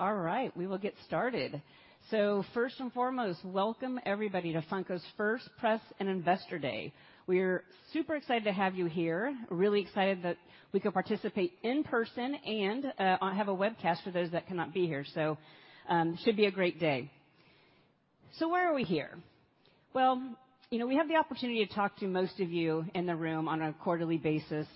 All right, we will get started. First and foremost, welcome everybody to Funko's first Press and Investor Day. We're super excited to have you here. Really excited that we could participate in person and have a webcast for those that cannot be here. Should be a great day. Why are we here? Well, you know, we have the opportunity to talk to most of you in the room on a quarterly basis.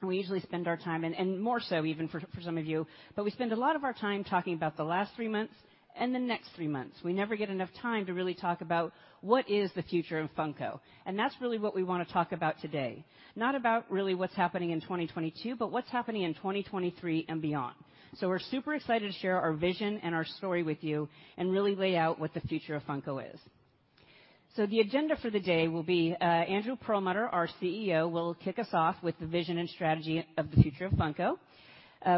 We usually spend our time, and more so even for some of you, but we spend a lot of our time talking about the last three months and the next three months. We never get enough time to really talk about what is the future of Funko. That's really what we wanna talk about today. Not about really what's happening in 2022, but what's happening in 2023 and beyond. We're super excited to share our vision and our story with you and really lay out what the future of Funko is. The agenda for the day will be, Andrew Perlmutter, our CEO, will kick us off with the vision and strategy of the future of Funko.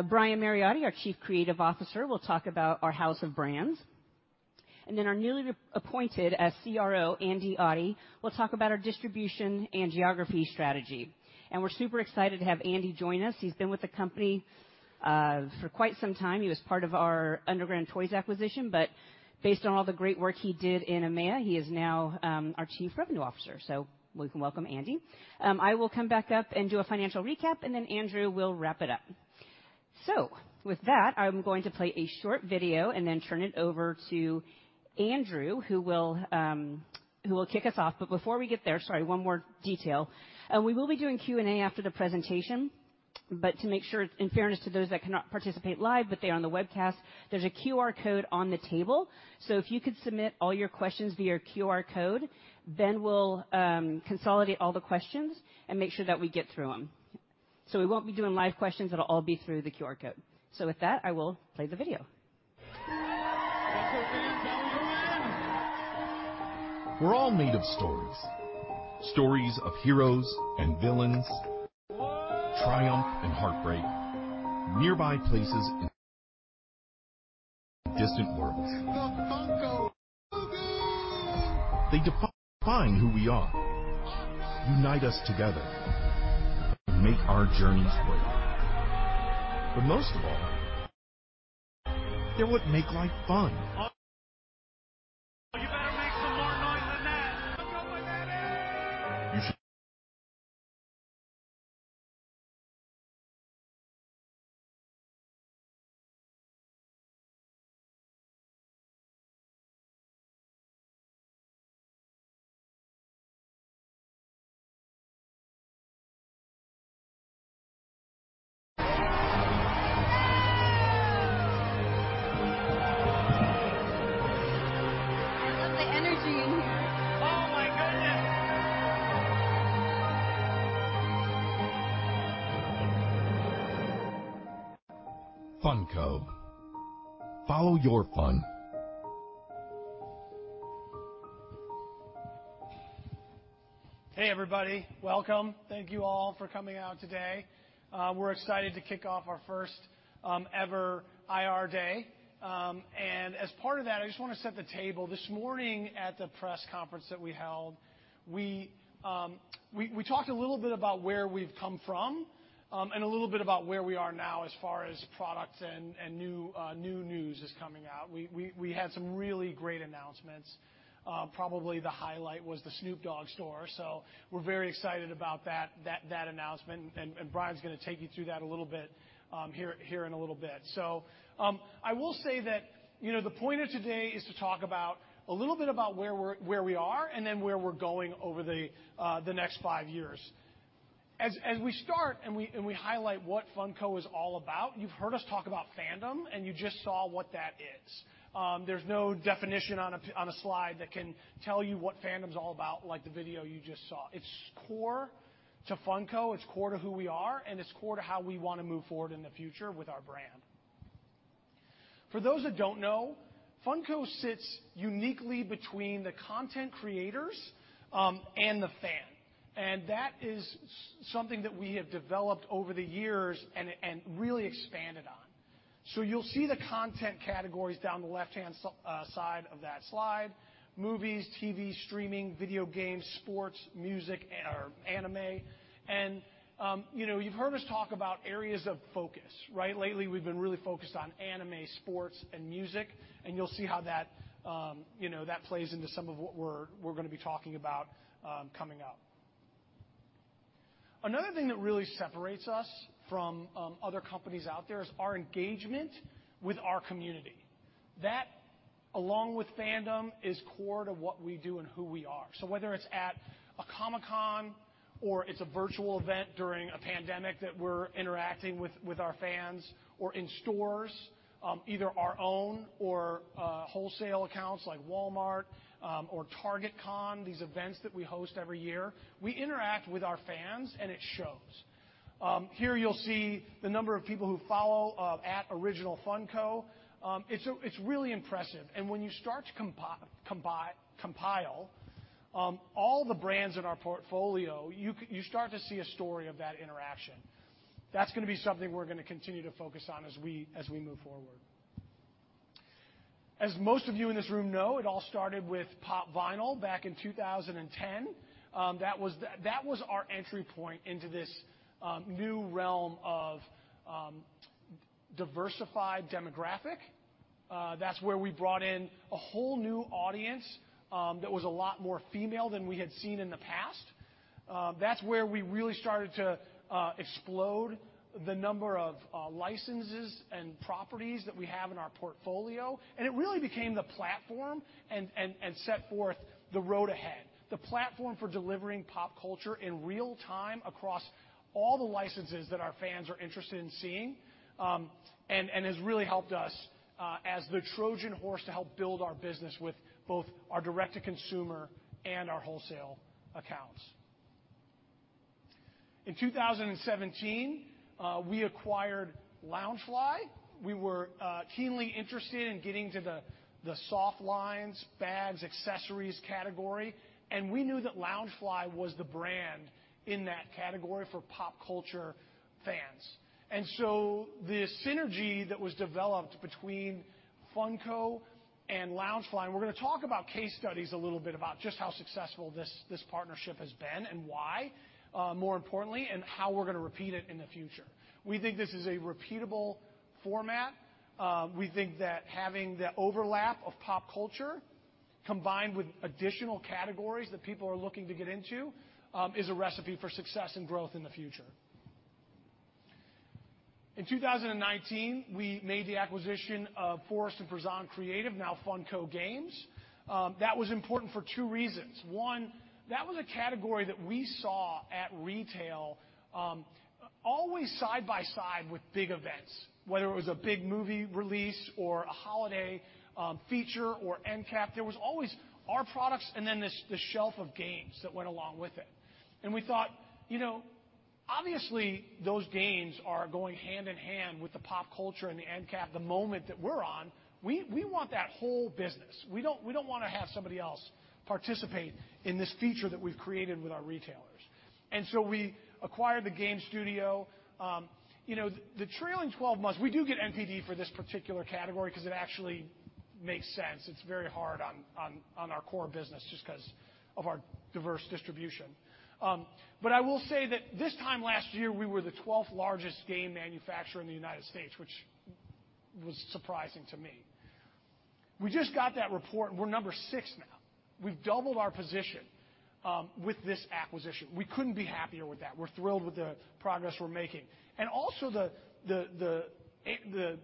Brian Mariotti, our Chief Creative Officer, will talk about our house of brands. Our newly re-appointed CRO, Andy Oddie, will talk about our distribution and geography strategy. We're super excited to have Andy join us. He's been with the company for quite some time. He was part of our Underground Toys acquisition, but based on all the great work he did in EMEA, he is now our Chief Revenue Officer. We can welcome Andy. I will come back up and do a financial recap, and then Andrew will wrap it up. With that, I'm going to play a short video and then turn it over to Andrew, who will kick us off. Before we get there, sorry, one more detail. We will be doing Q&A after the presentation, but to make sure, in fairness to those that cannot participate live, but they are on the webcast, there's a QR code on the table. If you could submit all your questions via QR code, then we'll consolidate all the questions and make sure that we get through them. We won't be doing live questions. It'll all be through the QR code. With that, I will play the video. Funko Fam, how we doing? We're all made of stories. Stories of heroes and villains. What? Triumph and heartbreak. Nearby places and distant worlds. The Funko Boogie. They define who we are, unite us together, and make our journeys great. But most of all, they're what make life fun. Oh, you better make some more noise than that. Funko Family. I love the energy in here. Oh my goodness. Funko: Follow your fun. Hey, everybody. Welcome. Thank you all for coming out today. We're excited to kick off our first ever IR day. As part of that, I just wanna set the table. This morning at the press conference that we held, we talked a little bit about where we've come from and a little bit about where we are now as far as products and new news is coming out. We had some really great announcements. Probably the highlight was the Snoop Dogg store. We're very excited about that announcement, and Brian's gonna take you through that a little bit here in a little bit. I will say that, you know, the point of today is to talk about a little bit about where we are, and then where we're going over the next five years. As we start, we highlight what Funko is all about, you've heard us talk about fandom, and you just saw what that is. There's no definition on a slide that can tell you what fandom's all about, like the video you just saw. It's core to Funko. It's core to who we are. It's core to how we wanna move forward in the future with our brand. For those that don't know, Funko sits uniquely between the content creators and the fan. That is something that we have developed over the years and really expanded on. You'll see the content categories down the left-hand side of that slide, movies, TV, streaming, video games, sports, music, and our anime. You know, you've heard us talk about areas of focus, right? Lately, we've been really focused on anime, sports, and music, and you'll see how that plays into some of what we're gonna be talking about coming up. Another thing that really separates us from other companies out there is our engagement with our community. That, along with fandom, is core to what we do and who we are. Whether it's at a Comic-Con or it's a virtual event during a pandemic that we're interacting with our fans or in stores, either our own or wholesale accounts like Walmart, or Target Con, these events that we host every year, we interact with our fans, and it shows. Here you'll see the number of people who follow @OriginalFunko. It's really impressive. When you start to compile all the brands in our portfolio, you start to see a story of that interaction. That's gonna be something we're gonna continue to focus on as we move forward. As most of you in this room know, it all started with Pop! Vinyl back in 2010. That was our entry point into this new realm of diversified demographic. That's where we brought in a whole new audience that was a lot more female than we had seen in the past. That's where we really started to explode the number of licenses and properties that we have in our portfolio. It really became the platform and set forth the road ahead. The platform for delivering pop culture in real time across all the licenses that our fans are interested in seeing, and has really helped us as the Trojan horse to help build our business with both our direct-to-consumer and our wholesale accounts. In 2017, we acquired Loungefly. We were keenly interested in getting to the soft lines, bags, accessories category, and we knew that Loungefly was the brand in that category for pop culture fans. The synergy that was developed between Funko and Loungefly, and we're gonna talk about case studies a little bit about just how successful this partnership has been and why, more importantly, and how we're gonna repeat it in the future. We think this is a repeatable format. We think that having the overlap of pop culture combined with additional categories that people are looking to get into is a recipe for success and growth in the future. In 2019, we made the acquisition of Forrest-Pruzan Creative, now Funko Games. That was important for two reasons. One, that was a category that we saw at retail, always side by side with big events. Whether it was a big movie release or a holiday, feature or end cap, there was always our products and then this, the shelf of games that went along with it. We thought, you know, obviously, those games are going hand in hand with the pop culture and the end cap, the moment that we're on. We want that whole business. We don't wanna have somebody else participate in this feature that we've created with our retailers. We acquired the game studio. You know, the trailing twelve months, we do get NPD for this particular category 'cause it actually makes sense. It's very hard on our core business just 'cause of our diverse distribution. I will say that this time last year, we were the 12th-largest game manufacturer in the United States, which was surprising to me. We just got that report. We're number six now. We've doubled our position with this acquisition. We couldn't be happier with that. We're thrilled with the progress we're making. The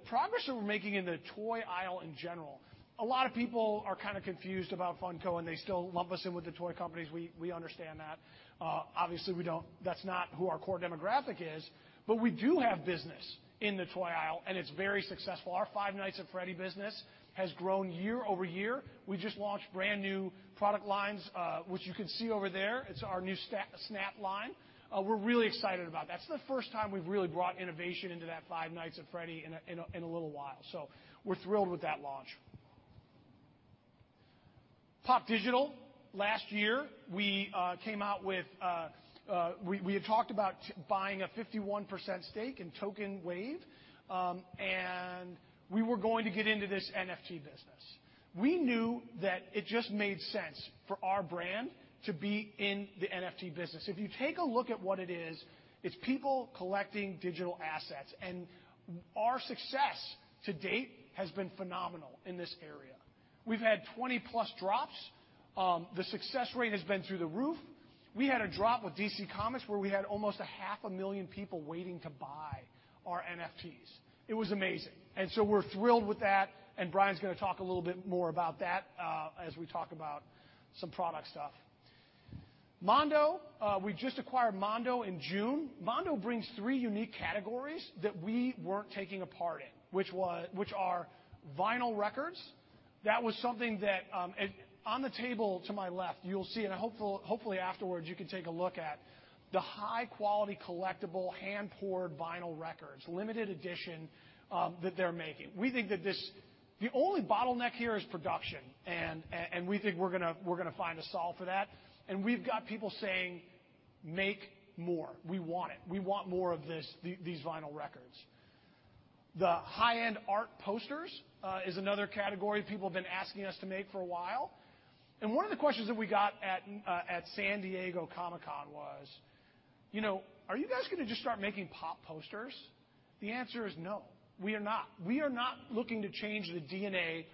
progress that we're making in the toy aisle in general, a lot of people are kinda confused about Funko, and they still lump us in with the toy companies. We understand that. Obviously, we don't. That's not who our core demographic is, but we do have business in the toy aisle, and it's very successful. Our Five Nights at Freddy's business has grown year-over-year. We just launched brand-new product lines, which you can see over there. It's our new SNAPS! line. We're really excited about it. That's the first time we've really brought innovation into that Five Nights at Freddy's in a little while. We're thrilled with that launch. Pop! Digital. Last year, we came out with. We had talked about buying a 51% stake in TokenWave, and we were going to get into this NFT business. We knew that it just made sense for our brand to be in the NFT business. If you take a look at what it is, it's people collecting digital assets, and our success to date has been phenomenal in this area. We've had 20+ drops. The success rate has been through the roof. We had a drop with DC Comics where we had almost 500,000 people waiting to buy our NFTs. It was amazing. We're thrilled with that, and Brian's gonna talk a little bit more about that, as we talk about some product stuff. Mondo, we just acquired Mondo in June. Mondo brings three unique categories that we weren't taking a part in, which are vinyl records. That was something that on the table to my left, you'll see, and hopefully afterwards you can take a look at, the high-quality collectible hand-poured vinyl records, limited edition, that they're making. We think that this, the only bottleneck here is production, and we think we're gonna find a solve for that. We've got people saying, "Make more. We want it. We want more of these vinyl records." The high-end art posters is another category people have been asking us to make for a while. One of the questions that we got at San Diego Comic-Con was, you know, "Are you guys gonna just start making pop posters?" The answer is no. We are not. We are not looking to change the DNA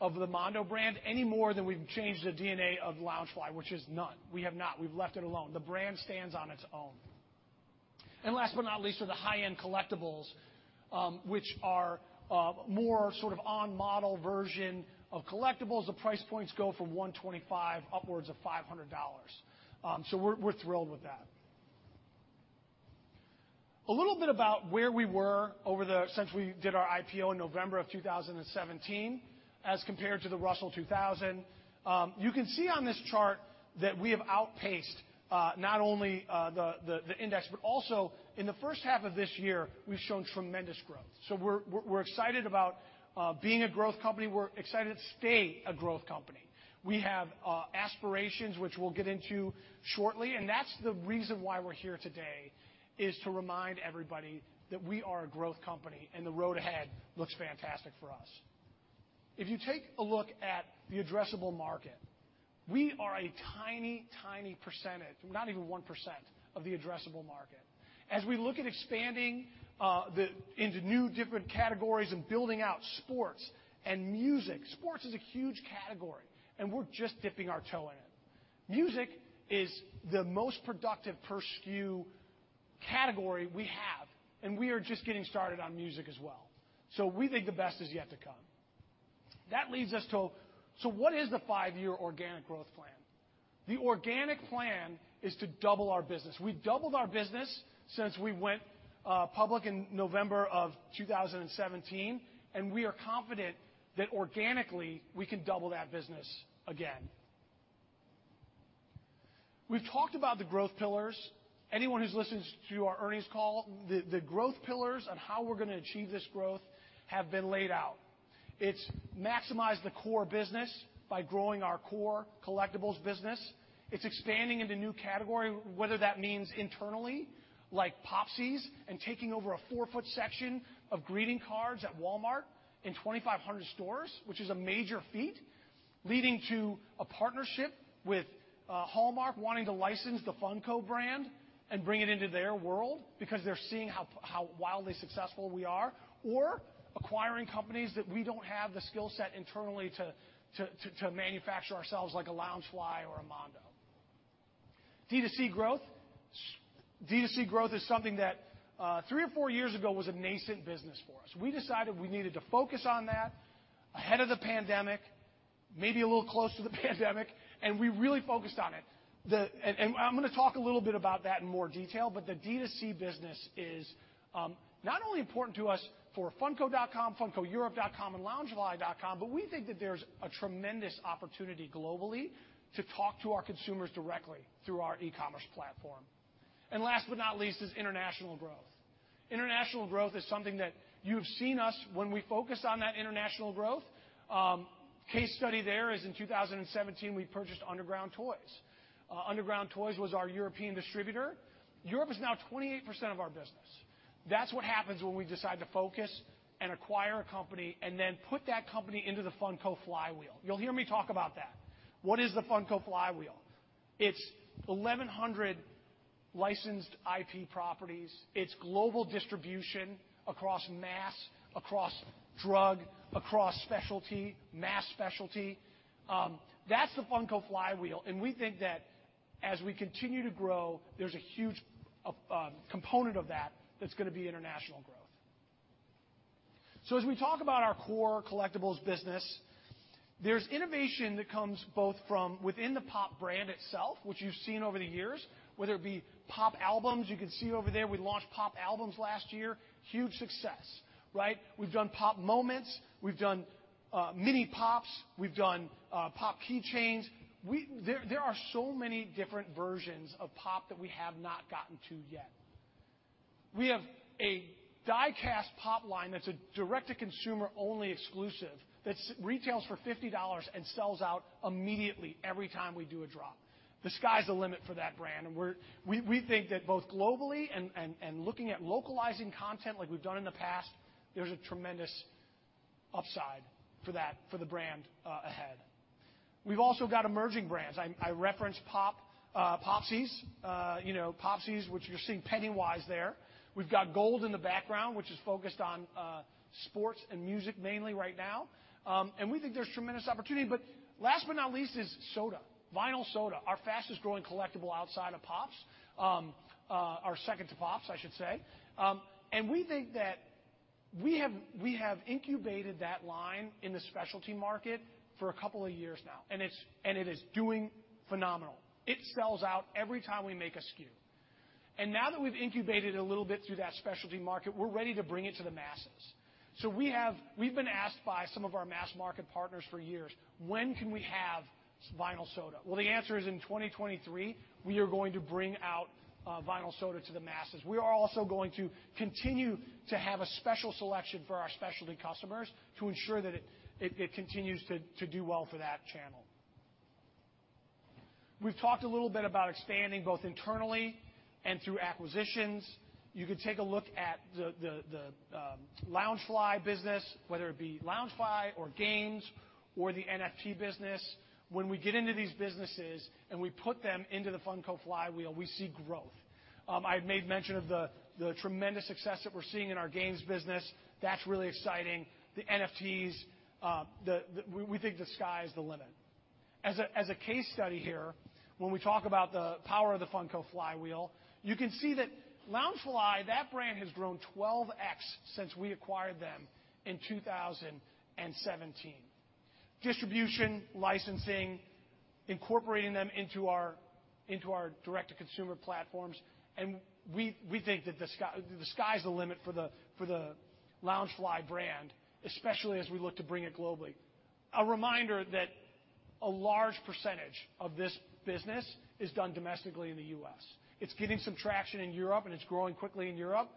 of the Mondo brand any more than we've changed the DNA of Loungefly, which is none. We have not. We've left it alone. The brand stands on its own. Last but not least are the high-end collectibles, which are more sort of on-model version of collectibles. The price points go from $125 upwards of $500. So we're thrilled with that. A little bit about where we were since we did our IPO in November 2017 as compared to the Russell 2000. You can see on this chart that we have outpaced not only the index, but also in the first half of this year, we've shown tremendous growth. We're excited about being a growth company. We're excited to stay a growth company. We have aspirations which we'll get into shortly, and that's the reason why we're here today, is to remind everybody that we are a growth company and the road ahead looks fantastic for us. If you take a look at the addressable market, we are a tiny percentage, not even 1% of the addressable market. As we look at expanding into new different categories and building out sports and music, sports is a huge category, and we're just dipping our toe in it. Music is the most productive per SKU category we have, and we are just getting started on music as well. We think the best is yet to come. That leads us to, so what is the five-year organic growth plan? The organic plan is to double our business. We've doubled our business since we went public in November of 2017, and we are confident that organically we can double that business again. We've talked about the growth pillars. Anyone who's listened to our earnings call, the growth pillars on how we're gonna achieve this growth have been laid out. It's maximize the core business by growing our core collectibles business. It's expanding into new category, whether that means internally, like Popsies and taking over a four-foot section of greeting cards at Walmart in 2,500 stores, which is a major feat, leading to a partnership with Hallmark, wanting to license the Funko brand and bring it into their world because they're seeing how wildly successful we are. Or acquiring companies that we don't have the skill set internally to manufacture ourselves, like a Loungefly or a Mondo. D2C growth is something that three or four years ago was a nascent business for us. We decided we needed to focus on that ahead of the pandemic, maybe a little close to the pandemic, and we really focused on it. I'm gonna talk a little bit about that in more detail, but the D2C business is not only important to us for funko.com, funkoeurope.com and loungefly.com, but we think that there's a tremendous opportunity globally to talk to our consumers directly through our e-commerce platform. Last but not least is international growth. International growth is something that you've seen us when we focus on that international growth. Case study there is in 2017, we purchased Underground Toys. Underground Toys was our European distributor. Europe is now 28% of our business. That's what happens when we decide to focus and acquire a company and then put that company into the Funko flywheel. You'll hear me talk about that. What is the Funko flywheel? It's 1,100 licensed IP properties. It's global distribution across mass, across drug, across specialty, mass specialty. That's the Funko flywheel, and we think that as we continue to grow, there's a huge component of that that's gonna be international growth. As we talk about our core collectibles business, there's innovation that comes both from within the Pop! brand itself, which you've seen over the years, whether it be Pop! Albums. You can see over there we launched Pop! Albums last year. Huge success, right? We've done Pop! Moments. We've done mini Pop!. We've done Pop! Keychains. There are so many different versions of Pop! that we have not gotten to yet. We have a Pop! Die-Cast line that's a direct-to-consumer only exclusive that retails for $50 and sells out immediately every time we do a drop. The sky's the limit for that brand, and we think that both globally and looking at localizing content like we've done in the past, there's a tremendous upside for the brand ahead. We've also got emerging brands. I referenced Pop, Popsies. You know, Popsies, which you're seeing Pennywise there. We've got Gold in the background, which is focused on sports and music mainly right now. And we think there's tremendous opportunity. Last but not least is Soda, Vinyl Soda, our fastest-growing collectible outside of Pops. Our second to Pops, I should say. And we think that we have incubated that line in the specialty market for a couple of years now, and it is doing phenomenal. It sells out every time we make a SKU. Now that we've incubated a little bit through that specialty market, we're ready to bring it to the masses. We've been asked by some of our mass market partners for years, "When can we have Vinyl Soda?" Well, the answer is in 2023, we are going to bring out Vinyl Soda to the masses. We are also going to continue to have a special selection for our specialty customers to ensure that it continues to do well for that channel. We've talked a little bit about expanding both internally and through acquisitions. You can take a look at the Loungefly business, whether it be Loungefly or games or the NFT business. When we get into these businesses and we put them into the Funko flywheel, we see growth. I've made mention of the tremendous success that we're seeing in our games business. That's really exciting. The NFTs. We think the sky's the limit. As a case study here, when we talk about the power of the Funko flywheel, you can see that Loungefly, that brand has grown 12x since we acquired them in 2017. Distribution, licensing, incorporating them into our direct-to-consumer platforms, and we think that the sky's the limit for the Loungefly brand, especially as we look to bring it globally. A reminder that a large percentage of this business is done domestically in the U.S. It's getting some traction in Europe, and it's growing quickly in Europe,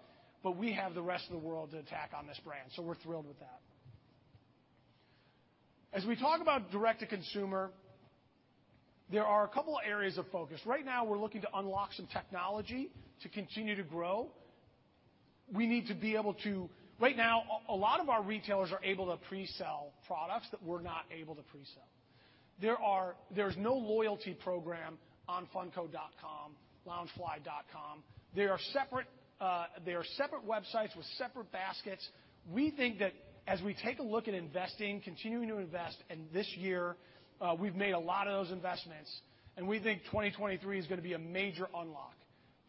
but we have the rest of the world to attack on this brand, so we're thrilled with that. As we talk about direct-to-consumer, there are a couple of areas of focus. Right now we're looking to unlock some technology to continue to grow. We need to be able to. Right now, a lot of our retailers are able to pre-sell products that we're not able to pre-sell. There's no loyalty program on funko.com, loungefly.com. They are separate websites with separate baskets. We think that as we take a look at investing, continuing to invest, and this year, we've made a lot of those investments, and we think 2023 is gonna be a major unlock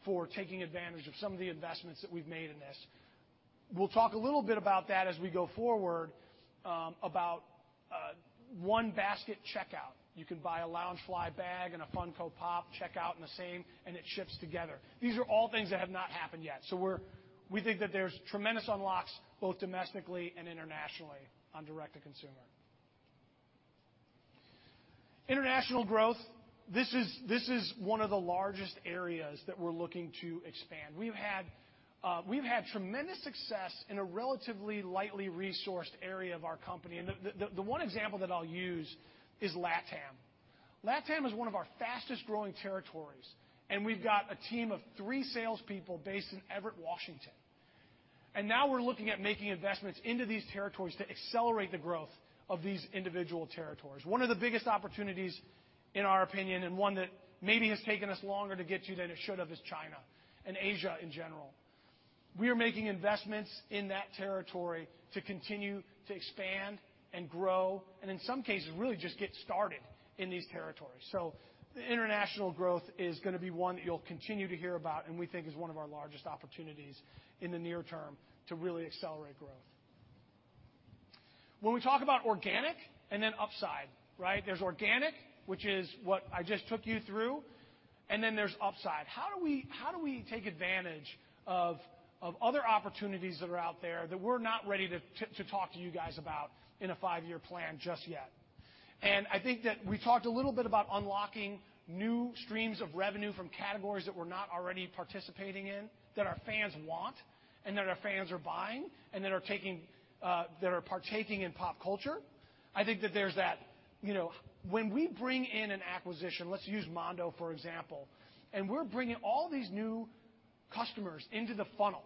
for taking advantage of some of the investments that we've made in this. We'll talk a little bit about that as we go forward, one basket checkout. You can buy a Loungefly bag and a Funko Pop, check out in the same, and it ships together. These are all things that have not happened yet. We think that there's tremendous unlocks, both domestically and internationally, on direct-to-consumer. International growth, this is one of the largest areas that we're looking to expand. We've had tremendous success in a relatively lightly resourced area of our company. The one example that I'll use is LATAM. LATAM is one of our fastest-growing territories, and we've got a team of three salespeople based in Everett, Washington. Now we're looking at making investments into these territories to accelerate the growth of these individual territories. One of the biggest opportunities, in our opinion, and one that maybe has taken us longer to get to than it should have, is China and Asia in general. We are making investments in that territory to continue to expand and grow, and in some cases, really just get started in these territories. International growth is gonna be one that you'll continue to hear about, and we think is one of our largest opportunities in the near term to really accelerate growth. When we talk about organic and then upside, right? There's organic, which is what I just took you through, and then there's upside. How do we take advantage of other opportunities that are out there that we're not ready to talk to you guys about in a five-year plan just yet? I think that we talked a little bit about unlocking new streams of revenue from categories that we're not already participating in, that our fans want and that our fans are buying, and that are partaking in pop culture. I think that there's that. You know, when we bring in an acquisition, let's use Mondo for example, and we're bringing all these new customers into the funnel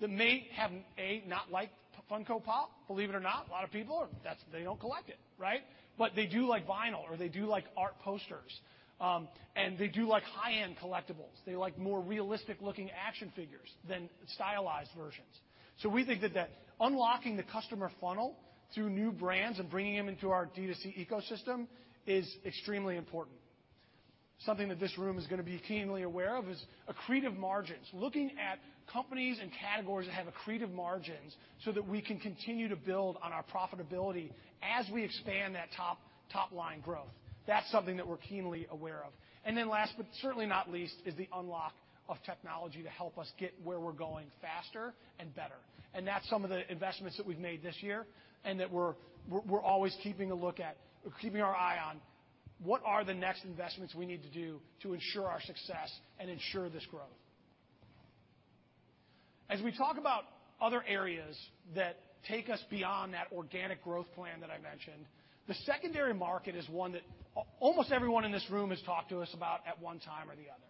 that may have, A, not liked Funko Pop. Believe it or not, a lot of people are, that's, they don't collect it, right? But they do like vinyl, or they do like art posters, and they do like high-end collectibles. They like more realistic-looking action figures than stylized versions. We think that unlocking the customer funnel through new brands and bringing them into our D2C ecosystem is extremely important. Something that this room is gonna be keenly aware of is accretive margins. Looking at companies and categories that have accretive margins so that we can continue to build on our profitability as we expand that top-line growth. That's something that we're keenly aware of. Last but certainly not least is the unlock of technology to help us get where we're going faster and better. That's some of the investments that we've made this year, and that we're always keeping a look at or keeping our eye on what are the next investments we need to do to ensure our success and ensure this growth. As we talk about other areas that take us beyond that organic growth plan that I mentioned, the secondary market is one that almost everyone in this room has talked to us about at one time or the other.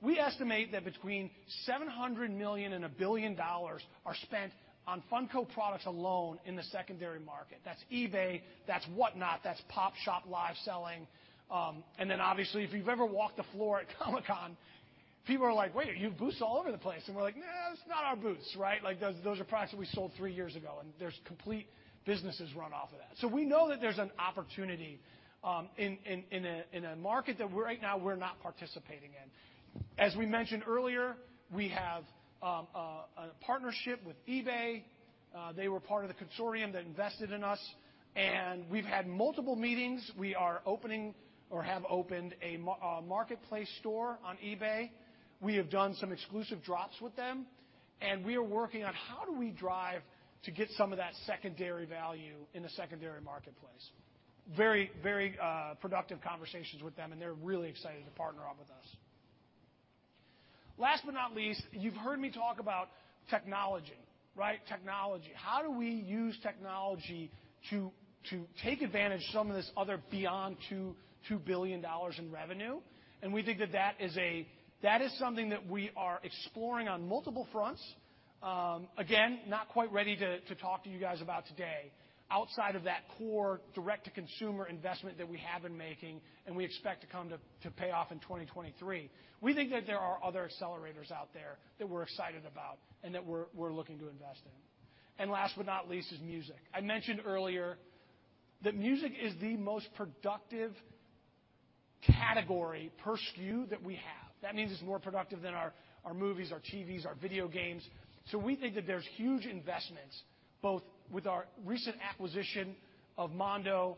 We estimate that between $700 million and $1 billion are spent on Funko products alone in the secondary market. That's eBay, that's Whatnot, that's PopShop Live selling. Then obviously, if you've ever walked the floor at Comic-Con, people are like, "Wait, you have booths all over the place." We're like, "Nah, that's not our booths." Right? Like, those are products that we sold three years ago, and there's complete businesses run off of that. We know that there's an opportunity in a market that we're right now not participating in. As we mentioned earlier, we have a partnership with eBay. They were part of the consortium that invested in us, and we've had multiple meetings. We are opening or have opened a marketplace store on eBay. We have done some exclusive drops with them, and we are working on how do we drive to get some of that secondary value in the secondary marketplace. Very productive conversations with them, and they're really excited to partner up with us. Last but not least, you've heard me talk about technology, right? Technology. How do we use technology to take advantage of some of this other beyond $2 billion in revenue? We think that is something that we are exploring on multiple fronts. Again, not quite ready to talk to you guys about today. Outside of that core direct-to-consumer investment that we have been making and we expect to come to pay off in 2023, we think that there are other accelerators out there that we're excited about and that we're looking to invest in. Last but not least is music. I mentioned earlier that music is the most productive category per SKU that we have. That means it's more productive than our movies, our TVs, our video games. We think that there's huge investments, both with our recent acquisition of Mondo,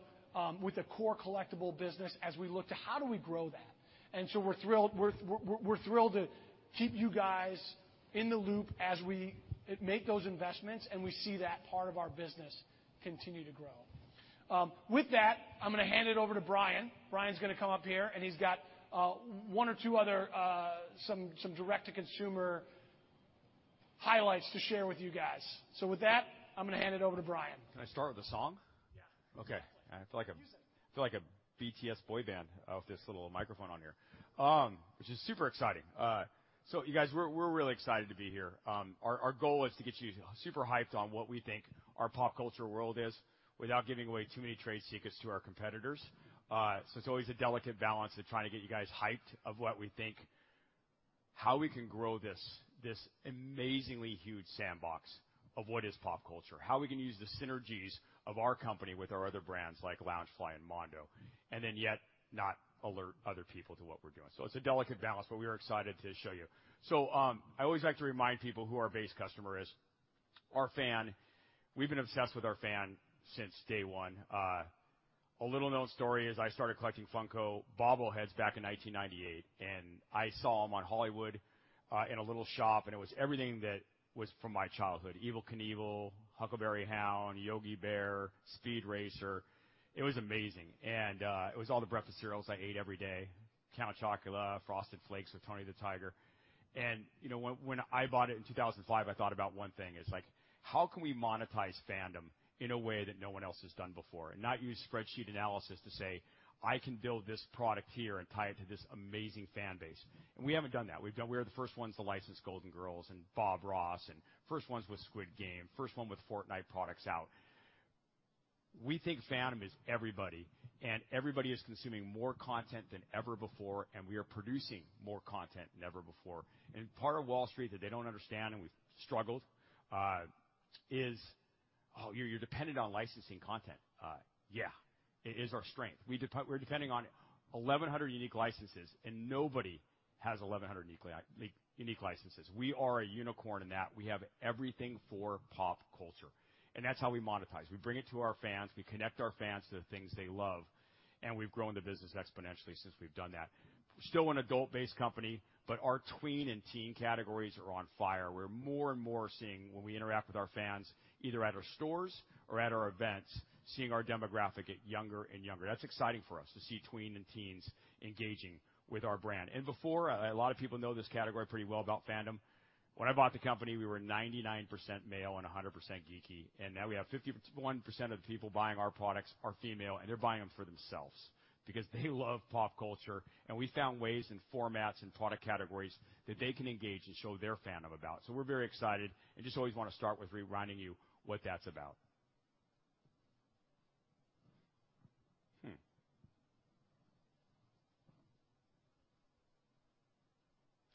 with the core collectible business, as we look to how do we grow that. We're thrilled to keep you guys in the loop as we make those investments, and we see that part of our business continue to grow. With that, I'm gonna hand it over to Brian. Brian's gonna come up here, and he's got one or two other some direct-to-consumer highlights to share with you guys. With that, I'm gonna hand it over to Brian. Can I start with a song? Yeah. Okay. I feel like a BTS boy band of this little microphone on here. Which is super exciting. You guys, we're really excited to be here. Our goal is to get you super hyped on what we think our pop culture world is without giving away too many trade secrets to our competitors. It's always a delicate balance of trying to get you guys hyped of what we think, how we can grow this amazingly huge sandbox of what is pop culture. How we can use the synergies of our company with our other brands like Loungefly and Mondo, and then yet not alert other people to what we're doing. It's a delicate balance, but we are excited to show you. I always like to remind people who our base customer is. We've been obsessed with our fan since day one. A little-known story is I started collecting Funko Bobbleheads back in 1998, and I saw them on Hollywood in a little shop, and it was everything that was from my childhood, Evel Knievel, Huckleberry Hound, Yogi Bear, Speed Racer. It was amazing. It was all the breakfast cereals I ate every day, Count Chocula, Frosted Flakes with Tony the Tiger. You know, when I bought it in 2005, I thought about one thing is like, how can we monetize fandom in a way that no one else has done before, and not use spreadsheet analysis to say, "I can build this product here and tie it to this amazing fan base." We haven't done that. We've done... We are the first ones to license The Golden Girls and Bob Ross, and first ones with Squid Game, first one with Fortnite products out. We think fandom is everybody, and everybody is consuming more content than ever before, and we are producing more content than ever before. Part of Wall Street that they don't understand, and we've struggled, is you're dependent on licensing content. Yeah, it is our strength. We're depending on 1,100 unique licenses, and nobody has 1,100 unique licenses. We are a unicorn in that we have everything for pop culture, and that's how we monetize. We bring it to our fans, we connect our fans to the things they love, and we've grown the business exponentially since we've done that. Still an adult-based company, but our tween and teen categories are on fire. We're more and more seeing when we interact with our fans, either at our stores or at our events, seeing our demographic get younger and younger. That's exciting for us to see tween and teens engaging with our brand. Before, a lot of people know this category pretty well about fandom. When I bought the company, we were 99% male and 100% geeky, and now we have 51% of the people buying our products are female, and they're buying them for themselves because they love pop culture. We found ways and formats and product categories that they can engage and show their fandom about. We're very excited and just always wanna start with reminding you what that's about.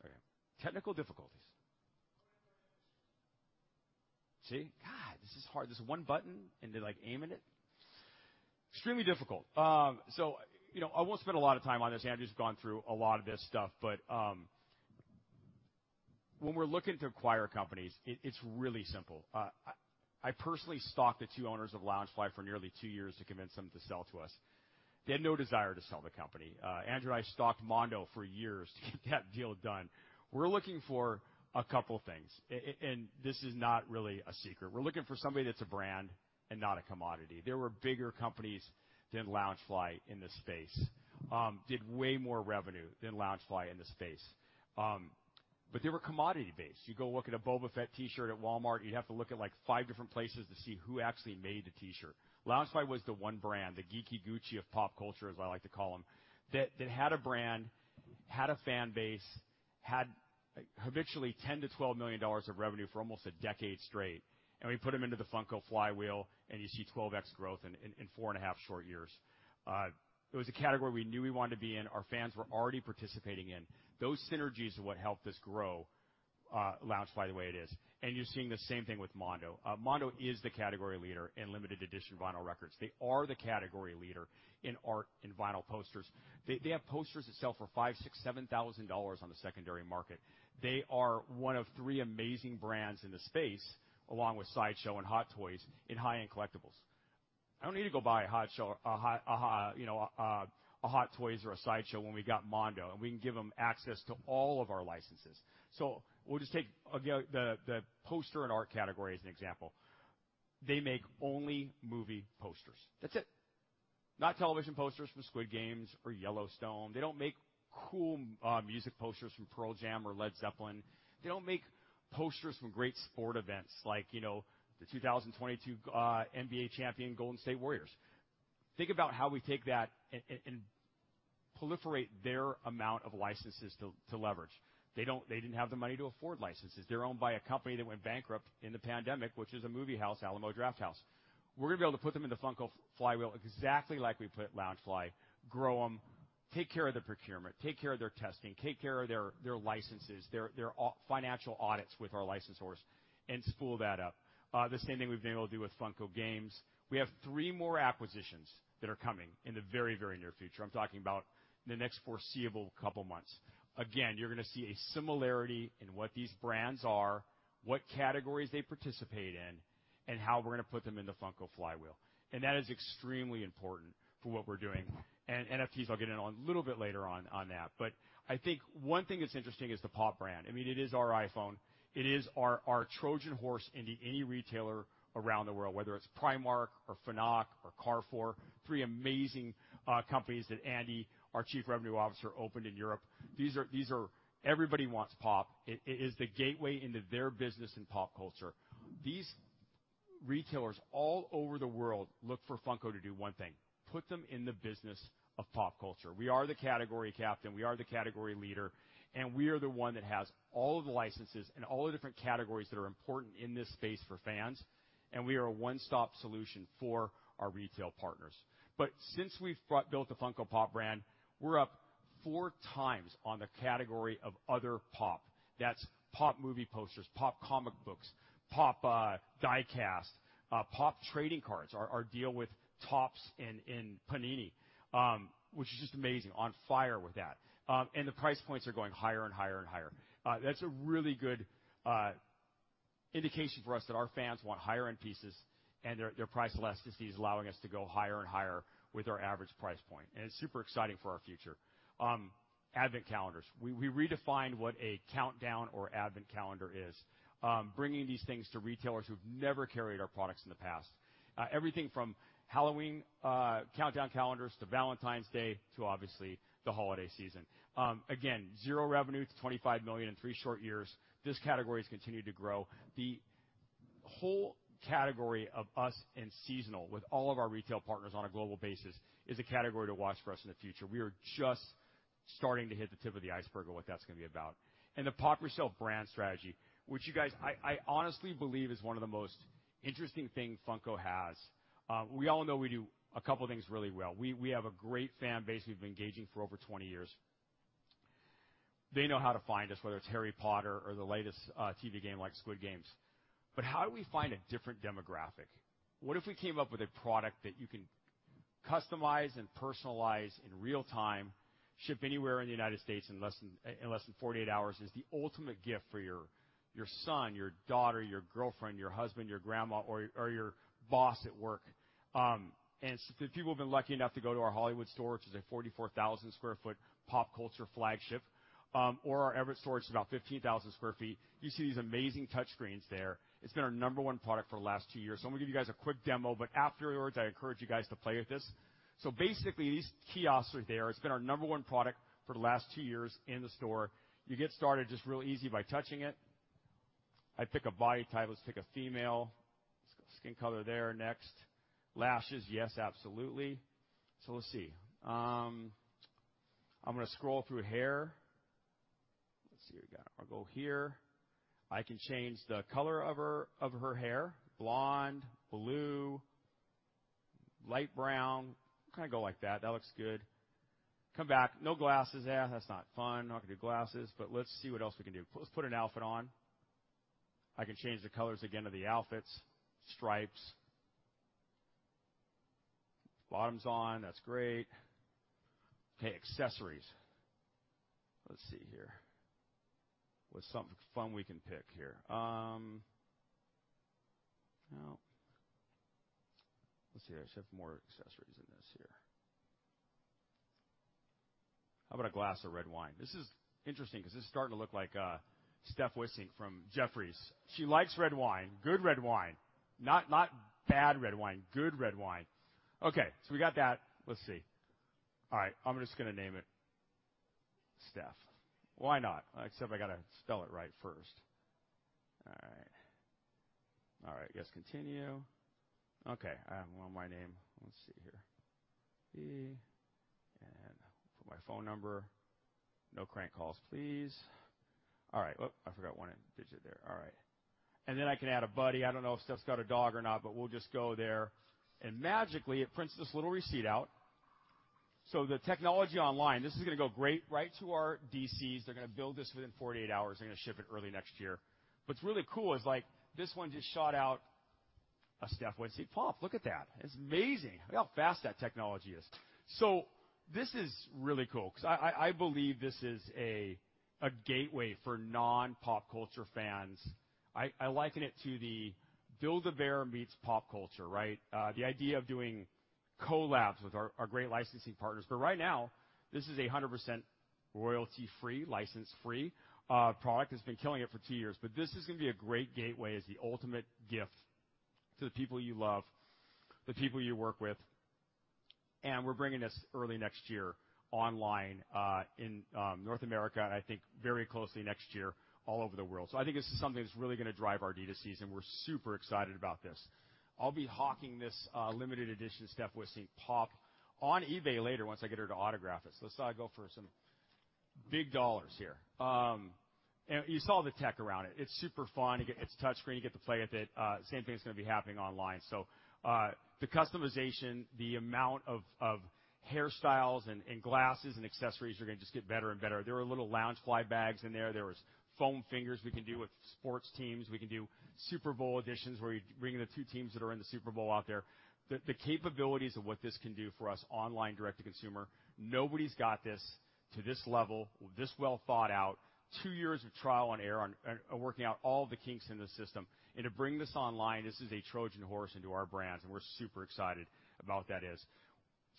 Okay. Technical difficulties. See? God, this is hard. There's one button and they're like aiming it. Extremely difficult. You know, I won't spend a lot of time on this. Andrew's gone through a lot of this stuff, but when we're looking to acquire companies, it's really simple. I personally stalked the two owners of Loungefly for nearly two years to convince them to sell to us. They had no desire to sell the company. Andrew and I stalked Mondo for years to get that deal done. We're looking for a couple things. This is not really a secret. We're looking for somebody that's a brand and not a commodity. There were bigger companies than Loungefly in this space, did way more revenue than Loungefly in this space. They were commodity-based. You go look at a Boba Fett T-shirt at Walmart, you'd have to look at like five different places to see who actually made the T-shirt. Loungefly was the one brand, the geeky Gucci of pop culture, as I like to call them, that had a brand, had a fan base, had habitually $10 million-$12 million of revenue for almost a decade straight. We put them into the Funko flywheel and you see 12x growth in four and a half short years. It was a category we knew we wanted to be in, our fans were already participating in. Those synergies are what helped us grow Loungefly the way it is. You're seeing the same thing with Mondo. Mondo is the category leader in limited edition vinyl records. They are the category leader in art and vinyl posters. They have posters that sell for $5,000-$7,000 on the secondary market. They are one of three amazing brands in the space, along with Sideshow and Hot Toys in high-end collectibles. I don't need to go buy a Hot Toys or a Sideshow when we got Mondo, and we can give them access to all of our licenses. We'll just take the poster and art category as an example. They make only movie posters. That's it. Not television posters from Squid Game or Yellowstone. They don't make cool music posters from Pearl Jam or Led Zeppelin. They don't make posters from great sport events like the 2022 NBA champion Golden State Warriors. Think about how we take that and proliferate their amount of licenses to leverage. They didn't have the money to afford licenses. They're owned by a company that went bankrupt in the pandemic, which is a movie house, Alamo Drafthouse. We're gonna be able to put them in the Funko flywheel exactly like we put Loungefly, grow them, take care of their procurement, take care of their testing, take care of their licenses, their financial audits with our licensors, and spool that up. The same thing we've been able to do with Funko Games. We have three more acquisitions that are coming in the very, very near future. I'm talking about in the next foreseeable couple months. Again, you're gonna see a similarity in what these brands are, what categories they participate in, and how we're gonna put them in the Funko flywheel. That is extremely important for what we're doing. NFTs, I'll get in on a little bit later on that, but I think one thing that's interesting is the Pop brand. I mean, it is our iPhone. It is our Trojan horse into any retailer around the world, whether it's Primark or Fnac or Carrefour, three amazing companies that Andy, our Chief Revenue Officer, opened in Europe. These are everybody wants Pop. It is the gateway into their business and pop culture. These retailers all over the world look for Funko to do one thing, put them in the business of pop culture. We are the category captain, we are the category leader, and we are the one that has all of the licenses and all the different categories that are important in this space for fans, and we are a one-stop solution for our retail partners. Since we've built the Funko Pop brand, we're up four times on the category of other Pop. That's Pop! Movie Posters, Pop! Comic Covers, Pop! Die-Cast, Pop! Trading Cards, our deal with Topps and Panini, which is just amazing. On fire with that. The price points are going higher and higher and higher. That's a really good indication for us that our fans want higher-end pieces and their price elasticity is allowing us to go higher and higher with our average price point, and it's super exciting for our future. Advent calendars. We redefined what a countdown or advent calendar is, bringing these things to retailers who've never carried our products in the past. Everything from Halloween countdown calendars to Valentine's Day to obviously the holiday season. Again, 0-$25 million in three short years. This category has continued to grow. The whole category of U.S. and seasonal with all of our retail partners on a global basis is a category to watch for us in the future. We are just starting to hit the tip of the iceberg of what that's gonna be about. The POP! Yourself brand strategy, which you guys, I honestly believe is one of the most interesting thing Funko has. We all know we do a couple things really well. We have a great fan base we've been engaging for over 20 years. They know how to find us, whether it's Harry Potter or the latest TV game like Squid Game. How do we find a different demographic? What if we came up with a product that you can customize and personalize in real time, ship anywhere in the United States in less than 48 hours, is the ultimate gift for your son, your daughter, your girlfriend, your husband, your grandma, or your boss at work. The people who've been lucky enough to go to our Hollywood store, which is a 44,000 sq ft pop culture flagship, or our Everett store, which is about 15,000 sq ft, you see these amazing touchscreens there. It's been our number one product for the last two years. I'm gonna give you guys a quick demo, but afterwards, I encourage you guys to play with this. Basically, these kiosks are there. It's been our number one product for the last two years in the store. You get started just real easy by touching it. I pick a body type. Let's pick a female. Skin color there. Next. Lashes, yes, absolutely. Let's see. I'm gonna scroll through hair. Let's see what we got. I'll go here. I can change the color of her, of her hair. Blonde, blue, light brown. I'm gonna go like that. That looks good. Come back. No glasses. That's not fun. Not gonna do glasses. Let's see what else we can do. Let's put an outfit on. I can change the colors again of the outfits. Stripes. Bottoms on. That's great. Okay, accessories. Let's see here. What's something fun we can pick here? Well, let's see. I should have more accessories than this here. How about a glass of red wine? This is interesting 'cause this is starting to look like Steph Wissink from Jefferies. She likes red wine. Good red wine. Not bad red wine. Okay, so we got that. Let's see. All right, I'm just gonna name it Steph. Why not? Except I gotta spell it right first. All right. Yes, continue. Okay, want my name. Let's see here. B, and put my phone number. No crank calls, please. All right. Oh, I forgot one digit there. All right. And then I can add a buddy. I don't know if Steph's got a dog or not, but we'll just go there, and magically it prints this little receipt out. So the technology online, this is gonna go great, right to our DCs. They're gonna build this within 48 hours. They're gonna ship it early next year. What's really cool is, like, this one just shot out a Steph Wissink Pop. Look at that. It's amazing how fast that technology is. This is really cool 'cause I believe this is a gateway for non-pop culture fans. I liken it to the Build-A-Bear meets pop culture, right? The idea of doing collabs with our great licensing partners. Right now, this is 100% royalty-free, license-free product that's been killing it for two years. This is gonna be a great gateway as the ultimate gift to the people you love, the people you work with, and we're bringing this early next year online in North America, and I think very closely next year all over the world. I think this is something that's really gonna drive our D2Cs, and we're super excited about this. I'll be hawking this limited edition Steph Wissink Pop on eBay later once I get her to autograph it. This oughta go for some big dollars here. You saw the tech around it. It's super fun. It's touchscreen. You get to play with it. Same thing's gonna be happening online. The customization, the amount of hairstyles and glasses and accessories are gonna just get better and better. There were little Loungefly bags in there. There was foam fingers we can do with sports teams. We can do Super Bowl editions where you bring the two teams that are in the Super Bowl out there. The capabilities of what this can do for us online direct to consumer. Nobody's got this to this level, this well thought out. Two years of trial and error on working out all the kinks in the system, and to bring this online, this is a Trojan horse into our brands, and we're super excited about that is.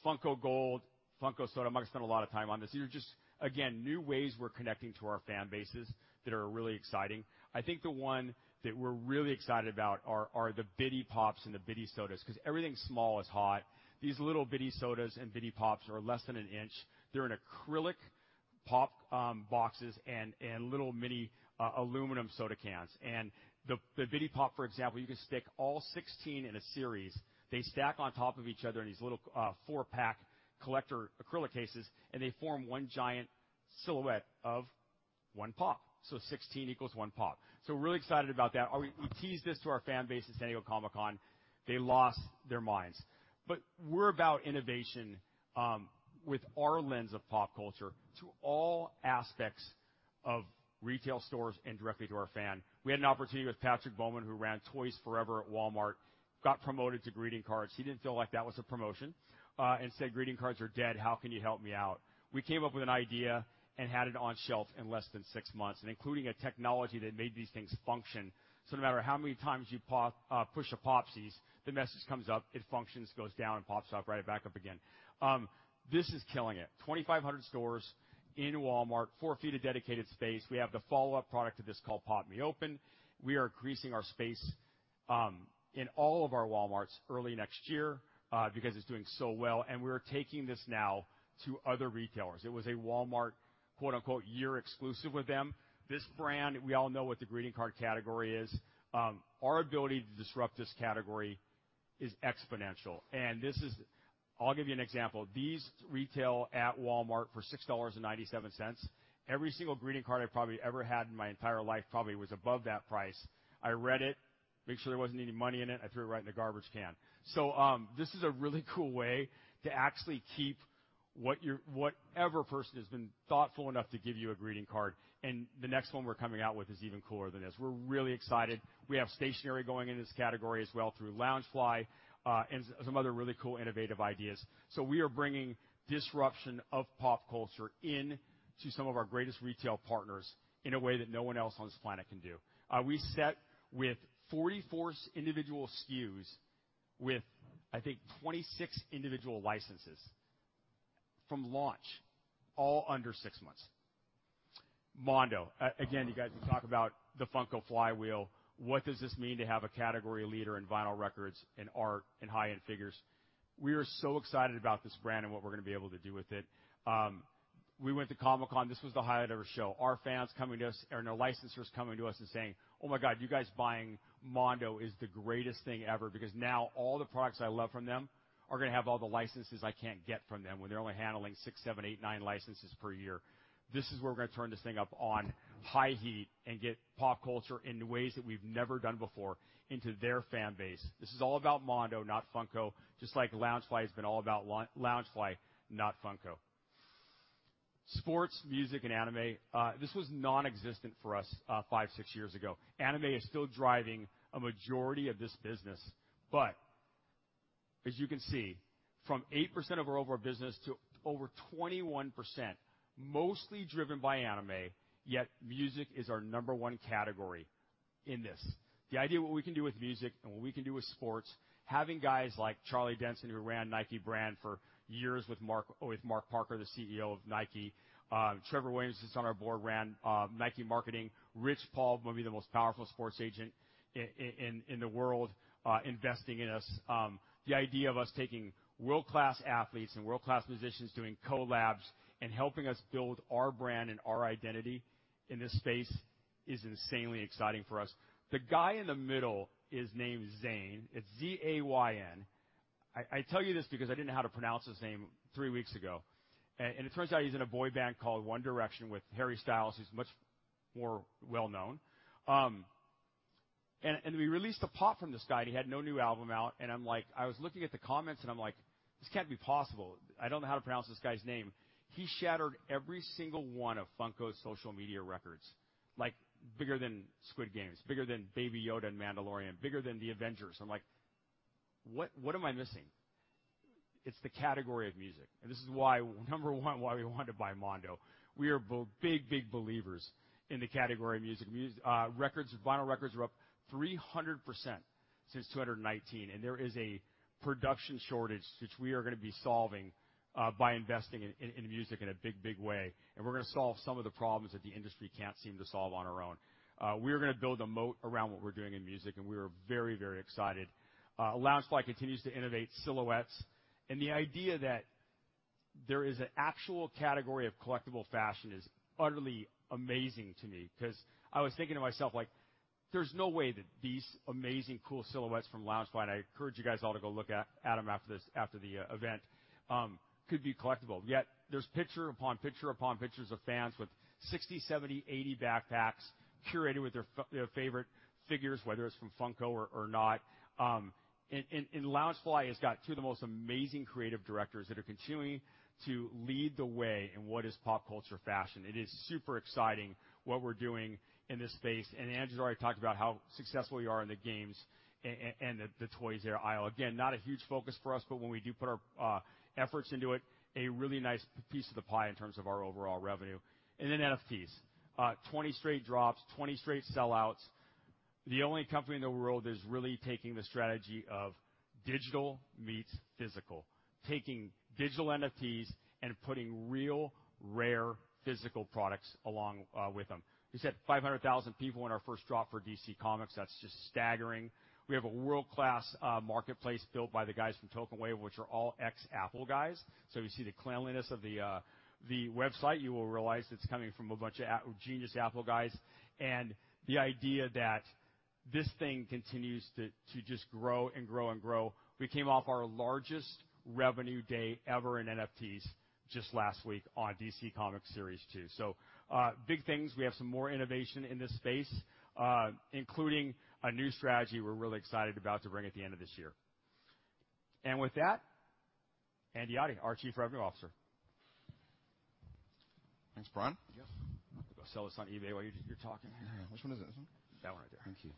Funko Gold, Funko Soda, I'm not gonna spend a lot of time on this. These are just, again, new ways we're connecting to our fan bases that are really exciting. I think the one that we're really excited about are the Bitty Pops and the Bitty Sodas, 'cause everything small is hot. These little Bitty Sodas and Bitty Pops are less than an inch. They're acrylic Pop boxes and little mini aluminum soda cans. The Bitty POP!, for example, you can stack all 16 in a series. They stack on top of each other in these little 4-pack collector acrylic cases, and they form one giant silhouette of one Pop. 16 equals one Pop. We're really excited about that. We teased this to our fan base at San Diego Comic-Con. They lost their minds. We're about innovation with our lens of pop culture to all aspects of retail stores and directly to our fan. We had an opportunity with Patrick Bowman, who ran Toys Forever at Walmart, got promoted to greeting cards. He didn't feel like that was a promotion and said, "Greeting cards are dead. How can you help me out?" We came up with an idea and had it on shelf in less than six months, and including a technology that made these things function. No matter how many times you pop... Push a Popsies, the message comes up, it functions, goes down and pops up right back up again. This is killing it. 2,500 stores in Walmart, four feet of dedicated space. We have the follow-up product to this called Pop Me Open. We are increasing our space in all of our Walmarts early next year because it's doing so well, and we're taking this now to other retailers. It was a Walmart, quote-unquote, "year exclusive" with them. This brand, we all know what the greeting card category is. Our ability to disrupt this category is exponential. This is. I'll give you an example. These retail at Walmart for $6.97. Every single greeting card I probably ever had in my entire life probably was above that price. I read it, make sure there wasn't any money in it, I threw it right in the garbage can. This is a really cool way to actually keep whatever person has been thoughtful enough to give you a greeting card, and the next one we're coming out with is even cooler than this. We're really excited. We have stationery going in this category as well through Loungefly, and some other really cool, innovative ideas. We are bringing disruption of pop culture into some of our greatest retail partners in a way that no one else on this planet can do. We started with 44 individual SKUs with, I think, 26 individual licenses from launch, all under six months. Mondo. Again, you guys, we talk about the Funko flywheel. What does this mean to have a category leader in vinyl records and art and high-end figures? We are so excited about this brand and what we're gonna be able to do with it. We went to Comic-Con. This was the highest ever show. Our licensors coming to us and saying, "Oh my God, you guys buying Mondo is the greatest thing ever because now all the products I love from them are gonna have all the licenses I can't get from them when they're only handling 6, 7, 8, 9 licenses per year." This is where we're gonna turn this thing up on high heat and get pop culture in ways that we've never done before into their fan base. This is all about Mondo, not Funko. Just like Loungefly has been all about Loungefly, not Funko. Sports, music, and anime. This was nonexistent for us five, six years ago. Anime is still driving a majority of this business. As you can see, from 8% of our overall business to over 21%, mostly driven by anime, yet music is our number one category in this. The idea of what we can do with music and what we can do with sports, having guys like Charlie Denson, who ran Nike brand for years with Mark Parker, the CEO of Nike. Trevor Edwards, who's on our board, ran Nike marketing. Rich Paul, maybe the most powerful sports agent in the world, investing in us. The idea of us taking world-class athletes and world-class musicians doing collabs and helping us build our brand and our identity in this space is insanely exciting for us. The guy in the middle is named Zayn. It's Zayn. I tell you this because I didn't know how to pronounce his name three weeks ago. And it turns out he's in a boy band called One Direction with Harry Styles, who's much more well-known. We released a Pop from this guy, and he had no new album out, and I'm like, I was looking at the comments, and I'm like, "This can't be possible. I don't know how to pronounce this guy's name." He shattered every single one of Funko's social media records, like bigger than Squid Game, bigger than Baby Yoda in The Mandalorian, bigger than The Avengers. I'm like, "What am I missing?" It's the category of music. This is why, number one, why we wanted to buy Mondo. We are big, big believers in the category of music. Records, vinyl records are up 300% since 2019, and there is a production shortage, which we are gonna be solving by investing in music in a big, big way. We're gonna solve some of the problems that the industry can't seem to solve on our own. We are gonna build a moat around what we're doing in music, and we are very, very excited. Loungefly continues to innovate silhouettes, and the idea that there is an actual category of collectible fashion is utterly amazing to me because I was thinking to myself like, "There's no way that these amazing, cool silhouettes from Loungefly," and I encourage you guys all to go look at them after this event, "could be collectible." Yet there's picture upon picture upon pictures of fans with 60, 70, 80 backpacks curated with their favorite figures, whether it's from Funko or not. Loungefly has got two of the most amazing creative directors that are continuing to lead the way in what is pop culture fashion. It is super exciting what we're doing in this space. Andrew's already talked about how successful we are in the games and the toy aisle. Again, not a huge focus for us, but when we do put our efforts into it, a really nice piece of the pie in terms of our overall revenue. Then NFTs. 20 straight drops, 20 straight sellouts. The only company in the world that is really taking the strategy of digital meets physical. Taking digital NFTs and putting real, rare, physical products along with them. We set 500,000 people in our first drop for DC Comics. That's just staggering. We have a world-class marketplace built by the guys from TokenWave, which are all ex-Apple guys. So you see the cleanliness of the website. You will realize it's coming from a bunch of genius Apple guys. This thing continues to just grow and grow and grow. We came off our largest revenue day ever in NFTs just last week on DC Comics Series Two. Big things, we have some more innovation in this space, including a new strategy we're really excited about to bring at the end of this year. With that, Andy Oddie, our Chief Revenue Officer. Thanks, Brian. Yep. Go sell this on eBay while you're talking. Which one is it? This one? That one right there. Thank you.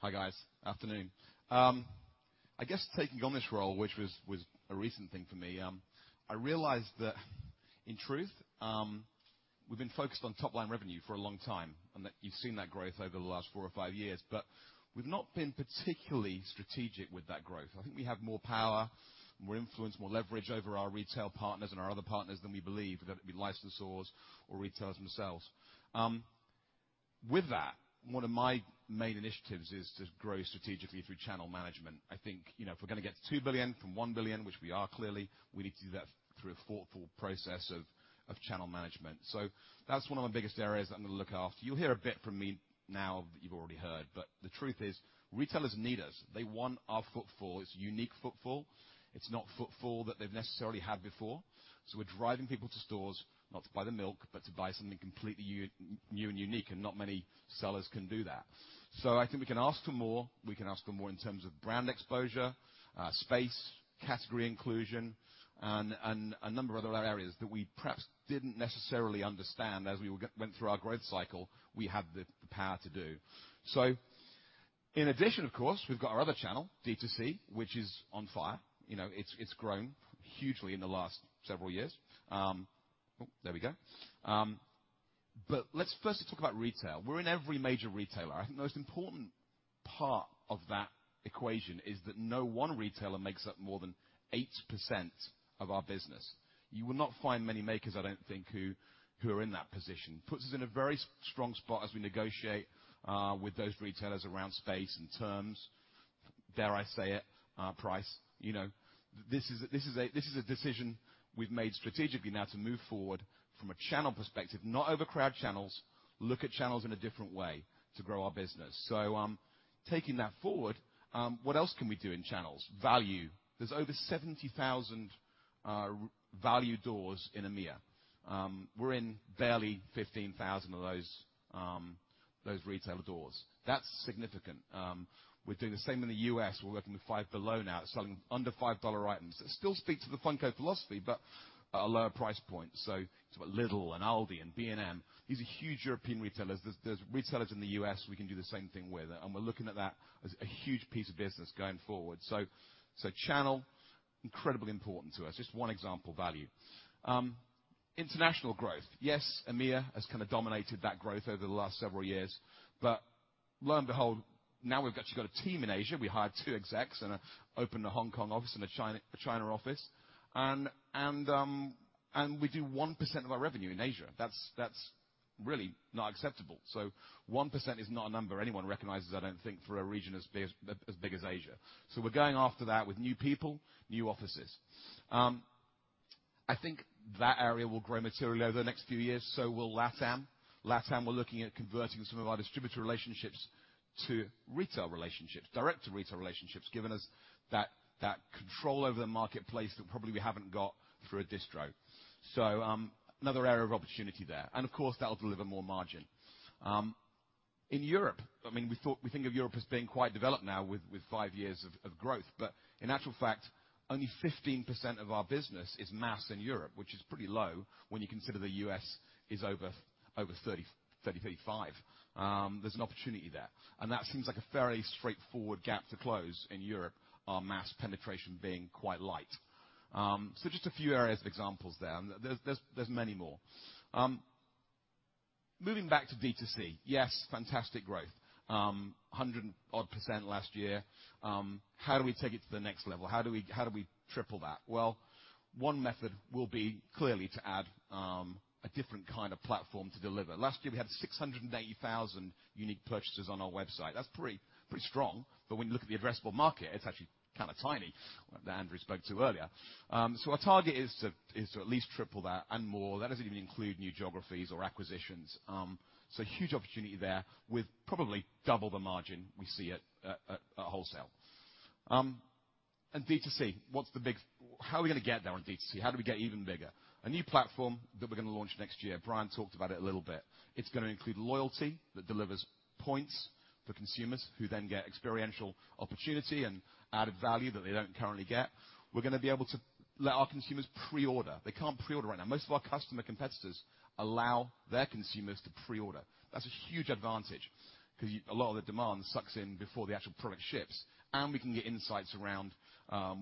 Hi, guys. Afternoon. I guess taking on this role, which was a recent thing for me, I realized that in truth, we've been focused on top-line revenue for a long time, and that you've seen that growth over the last four or five years. We've not been particularly strategic with that growth. I think we have more power, more influence, more leverage over our retail partners and our other partners than we believe, whether it be licensors or retailers themselves. With that, one of my main initiatives is to grow strategically through channel management. I think, you know, if we're gonna get to $2 billion from $1 billion, which we are clearly, we need to do that through a thoughtful process of channel management. That's one of the biggest areas that I'm gonna look after. You'll hear a bit from me now that you've already heard, but the truth is, retailers need us. They want our footfall. It's unique footfall. It's not footfall that they've necessarily had before. We're driving people to stores not to buy the milk, but to buy something completely new and unique, and not many sellers can do that. I think we can ask for more. We can ask for more in terms of brand exposure, space, category inclusion, and a number of other areas that we perhaps didn't necessarily understand as we went through our growth cycle, we have the power to do. In addition, of course, we've got our other channel, D2C, which is on fire. You know, it's grown hugely in the last several years. But let's first just talk about retail. We're in every major retailer. I think the most important part of that equation is that no one retailer makes up more than 8% of our business. You will not find many makers, I don't think, who are in that position. Puts us in a very strong spot as we negotiate with those retailers around space and terms. Dare I say it, price, you know. This is a decision we've made strategically now to move forward from a channel perspective, not overcrowd channels, look at channels in a different way to grow our business. Taking that forward, what else can we do in channels? Value. There's over 70,000 value doors in EMEA. We're in barely 15,000 of those retailer doors. That's significant. We're doing the same in the US. We're working with Five Below now to sell under $5 items that still speak to the Funko philosophy, but at a lower price point. Talk about Lidl and Aldi and B&M. These are huge European retailers. There's retailers in the US we can do the same thing with, and we're looking at that as a huge piece of business going forward. Channel is incredibly important to us. Just one example, value. International growth. Yes, EMEA has kinda dominated that growth over the last several years. Lo and behold, now we've actually got a team in Asia. We hired two execs and opened a Hong Kong office and a China office. We do 1% of our revenue in Asia. That's really not acceptable. One percent is not a number anyone recognizes, I don't think, for a region as big as Asia. We're going after that with new people, new offices. I think that area will grow materially over the next few years, so will LATAM. LATAM, we're looking at converting some of our distributor relationships to retail relationships, direct-to-retail relationships, giving us that control over the marketplace that probably we haven't got through a distro. Another area of opportunity there, and of course, that'll deliver more margin. In Europe, I mean, we think of Europe as being quite developed now with five years of growth, but in actual fact, only 15% of our business is mass in Europe, which is pretty low when you consider the US is over 30%-35%. There's an opportunity there, and that seems like a fairly straightforward gap to close in Europe, our mass penetration being quite light. So just a few areas of examples there, and there are many more. Moving back to B2C. Yes, fantastic growth. 100% and odd last year. How do we take it to the next level? How do we triple that? Well, one method will be clearly to add a different kind of platform to deliver. Last year, we had 680,000 unique purchasers on our website. That's pretty strong, but when you look at the addressable market, it's actually kinda tiny, that Andrew spoke to earlier. So our target is to at least triple that and more. That doesn't even include new geographies or acquisitions. Huge opportunity there with probably double the margin we see at wholesale. D2C, what's the big? How are we gonna get there on D2C? How do we get even bigger? A new platform that we're gonna launch next year. Brian talked about it a little bit. It's gonna include loyalty that delivers points for consumers who then get experiential opportunity and added value that they don't currently get. We're gonna be able to let our consumers pre-order. They can't pre-order right now. Most of our customer competitors allow their consumers to pre-order. That's a huge advantage 'cause a lot of the demand sucks in before the actual product ships, and we can get insights around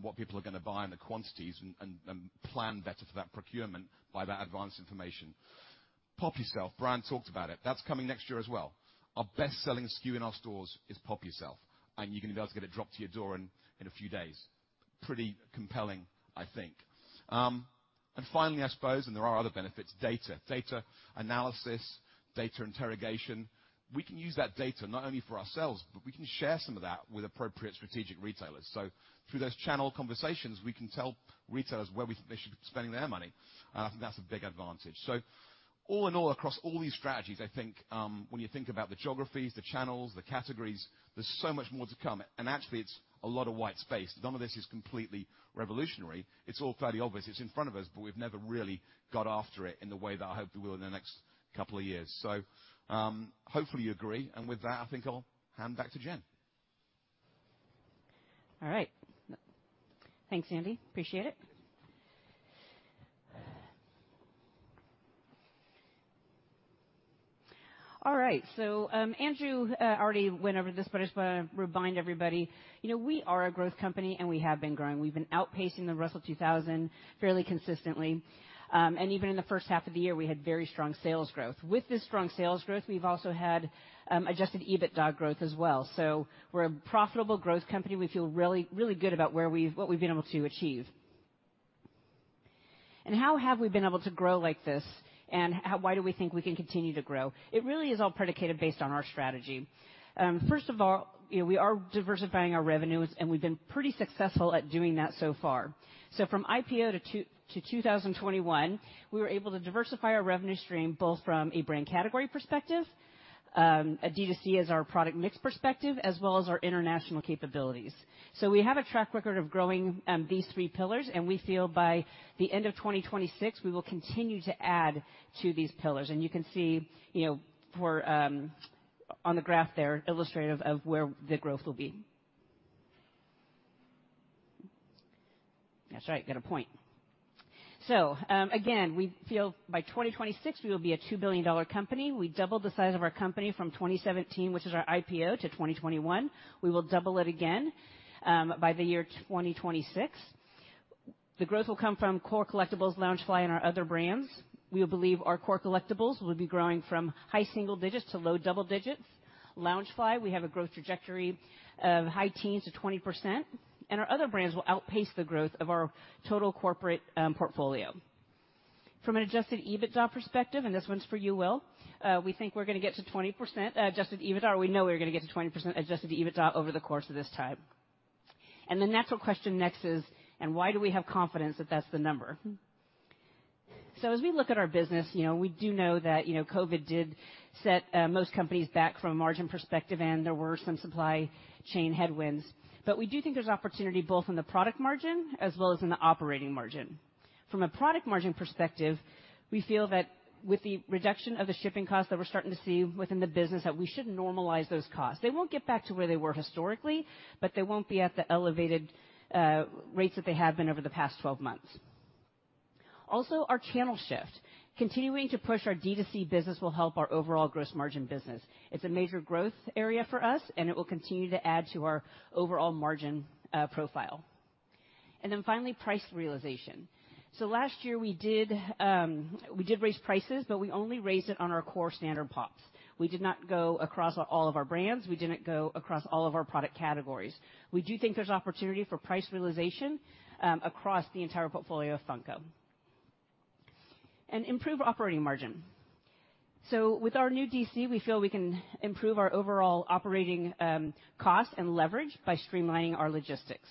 what people are gonna buy and the quantities and plan better for that procurement by that advanced information. POP! Yourself, Brian talked about it. That's coming next year as well. Our best-selling SKU in our stores is POP! Yourself, and you're gonna be able to get it dropped to your door in a few days. Pretty compelling, I think. Finally, I suppose, and there are other benefits, data. Data analysis, data interrogation. We can use that data not only for ourselves, but we can share some of that with appropriate strategic retailers. Through those channel conversations, we can tell retailers where we think they should be spending their money. I think that's a big advantage. All in all, across all these strategies, I think, when you think about the geographies, the channels, the categories, there's so much more to come, and actually it's a lot of white space. None of this is completely revolutionary. It's all fairly obvious. It's in front of us, but we've never really got after it in the way that I hope we will in the next couple of years. Hopefully you agree, and with that, I think I'll hand back to Jen. All right. Thanks, Andy. Appreciate it. All right, Andrew already went over this, but I just wanna remind everybody, you know, we are a growth company, and we have been growing. We've been outpacing the Russell 2000 fairly consistently. Even in the first half of the year, we had very strong sales growth. With this strong sales growth, we've also had adjusted EBITDA growth as well. We're a profitable growth company. We feel really, really good about what we've been able to achieve. How have we been able to grow like this, and why do we think we can continue to grow? It really is all predicated based on our strategy. First of all, you know, we are diversifying our revenues, and we've been pretty successful at doing that so far. From IPO to 2021, we were able to diversify our revenue stream, both from a brand category perspective, and D2C and our product mix perspective, as well as our international capabilities. We have a track record of growing these three pillars, and we feel by the end of 2026, we will continue to add to these pillars. You can see on the graph there, illustrative of where the growth will be. That's right, got a point. Again, we feel by 2026 we will be a $2 billion company. We doubled the size of our company from 2017, which is our IPO, to 2021. We will double it again by the year 2026. The growth will come from Core Collectibles, Loungefly, and our other brands. We believe our Core Collectibles will be growing from high single digits to low double digits. Loungefly, we have a growth trajectory of high teens to 20%, and our other brands will outpace the growth of our total corporate portfolio. From an adjusted EBITDA perspective, and this one's for you, Will, we think we're gonna get to 20% adjusted EBITDA. We know we're gonna get to 20% adjusted EBITDA over the course of this time. The natural question next is, and why do we have confidence that that's the number? As we look at our business, you know, we do know that, you know, COVID did set most companies back from a margin perspective, and there were some supply chain headwinds. We do think there's opportunity both in the product margin as well as in the operating margin. From a product margin perspective, we feel that with the reduction of the shipping costs that we're starting to see within the business, that we should normalize those costs. They won't get back to where they were historically, but they won't be at the elevated rates that they have been over the past 12 months. Also, our channel shift. Continuing to push our D2C business will help our overall gross margin business. It's a major growth area for us, and it will continue to add to our overall margin profile. Finally, price realization. Last year we did raise prices, but we only raised it on our core standard pops. We did not go across all of our brands. We didn't go across all of our product categories. We do think there's opportunity for price realization across the entire portfolio of Funko. Improve operating margin. With our new DC, we feel we can improve our overall operating costs and leverage by streamlining our logistics.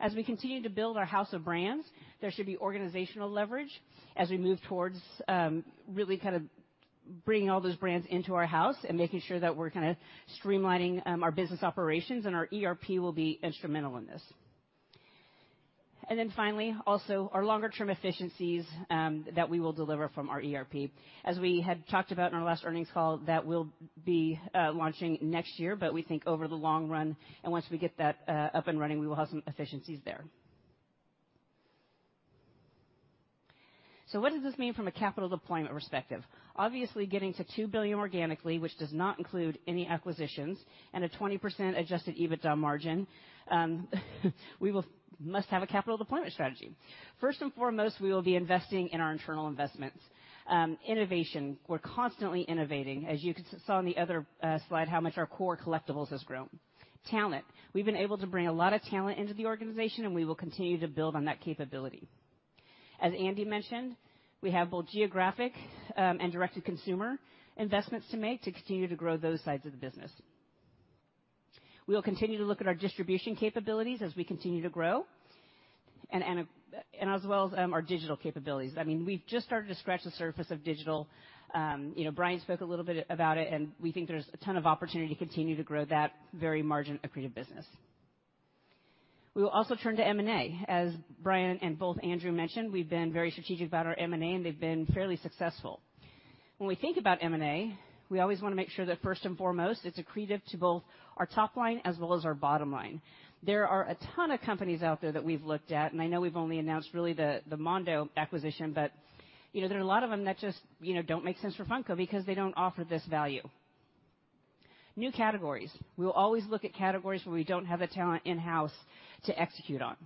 As we continue to build our house of brands, there should be organizational leverage as we move towards really kind of bringing all those brands into our house and making sure that we're kinda streamlining our business operations, and our ERP will be instrumental in this. Then finally, also our longer term efficiencies that we will deliver from our ERP. As we had talked about in our last earnings call, that will be launching next year, but we think over the long run and once we get that up and running, we will have some efficiencies there. What does this mean from a capital deployment perspective? Obviously, getting to $2 billion organically, which does not include any acquisitions, and a 20% adjusted EBITDA margin, we must have a capital deployment strategy. First and foremost, we will be investing in our internal investments. Innovation, we're constantly innovating, as you saw on the other slide, how much our Core Collectibles has grown. Talent, we've been able to bring a lot of talent into the organization, and we will continue to build on that capability. As Andy mentioned, we have both geographic and direct-to-consumer investments to make to continue to grow those sides of the business. We'll continue to look at our distribution capabilities as we continue to grow and as well as our digital capabilities. I mean, we've just started to scratch the surface of digital. You know, Brian spoke a little bit about it, and we think there's a ton of opportunity to continue to grow that very margin-accretive business. We will also turn to M&A. As Brian and both Andrew mentioned, we've been very strategic about our M&A, and they've been fairly successful. When we think about M&A, we always wanna make sure that first and foremost, it's accretive to both our top line as well as our bottom line. There are a ton of companies out there that we've looked at, and I know we've only announced really the Mondo acquisition, but you know, there are a lot of them that just you know, don't make sense for Funko because they don't offer this value. New categories. We will always look at categories where we don't have the talent in-house to execute on.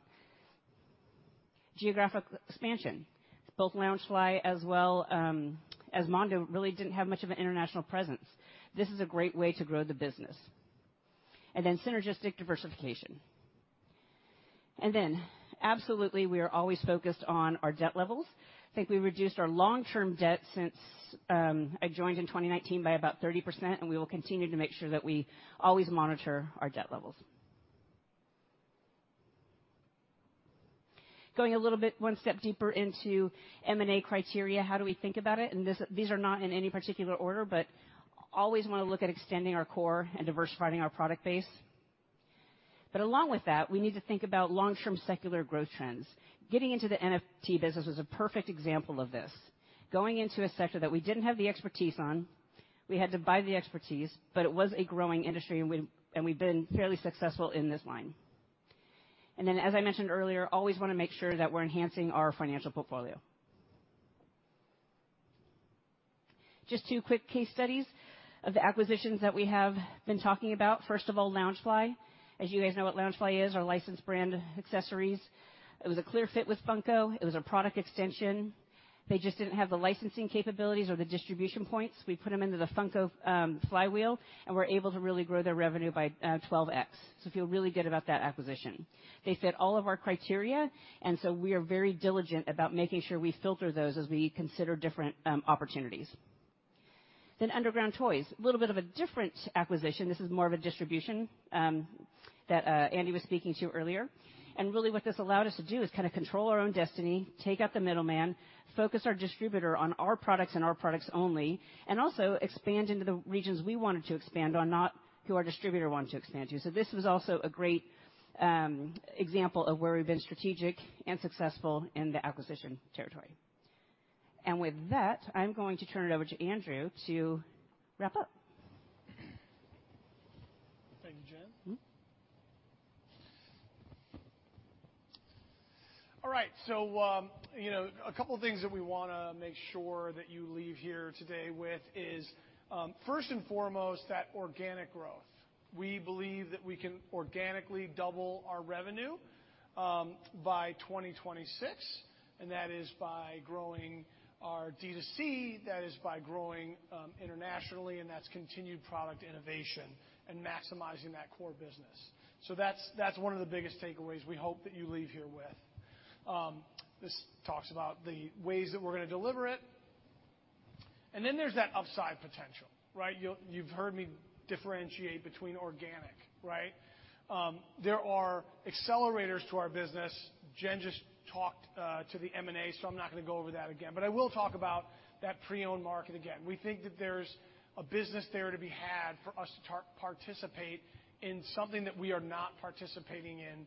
Geographic expansion. Both Loungefly as well, as Mondo really didn't have much of an international presence. This is a great way to grow the business. Synergistic diversification. Absolutely, we are always focused on our debt levels. I think we reduced our long-term debt since I joined in 2019 by about 30%, and we will continue to make sure that we always monitor our debt levels. Going a little bit one step deeper into M&A criteria, how do we think about it? This, these are not in any particular order, but always wanna look at extending our core and diversifying our product base. Along with that, we need to think about long-term secular growth trends. Getting into the NFT business was a perfect example of this. Going into a sector that we didn't have the expertise on, we had to buy the expertise, but it was a growing industry, and we've been fairly successful in this line. As I mentioned earlier, always wanna make sure that we're enhancing our financial portfolio. Just two quick case studies of the acquisitions that we have been talking about. First of all, Loungefly. As you guys know what Loungefly is, our licensed brand accessories. It was a clear fit with Funko. It was a product extension. They just didn't have the licensing capabilities or the distribution points. We put them into the Funko flywheel, and we're able to really grow their revenue by 12x. Feel really good about that acquisition. They fit all of our criteria, and so we are very diligent about making sure we filter those as we consider different opportunities. Underground Toys, a little bit of a different acquisition. This is more of a distribution that Andy was speaking to earlier. Really what this allowed us to do is kinda control our own destiny, take out the middleman, focus our distributor on our products and our products only, and also expand into the regions we wanted to expand on, not who our distributor wanted to expand to. This was also a great example of where we've been strategic and successful in the acquisition territory. With that, I'm going to turn it over to Andrew to wrap up. Thank you, Jen. Mm-hmm. All right, you know, a couple of things that we wanna make sure that you leave here today with is, first and foremost, that organic growth. We believe that we can organically double our revenue by 2026, and that is by growing our D2C, that is by growing internationally, and that's continued product innovation and maximizing that core business. That's one of the biggest takeaways we hope that you leave here with. This talks about the ways that we're gonna deliver it. Then there's that upside potential, right? You've heard me differentiate between organic, right? There are accelerators to our business. Jen just talked to the M&A, so I'm not gonna go over that again. I will talk about that pre-owned market again. We think that there's a business there to be had for us to participate in something that we are not participating in today.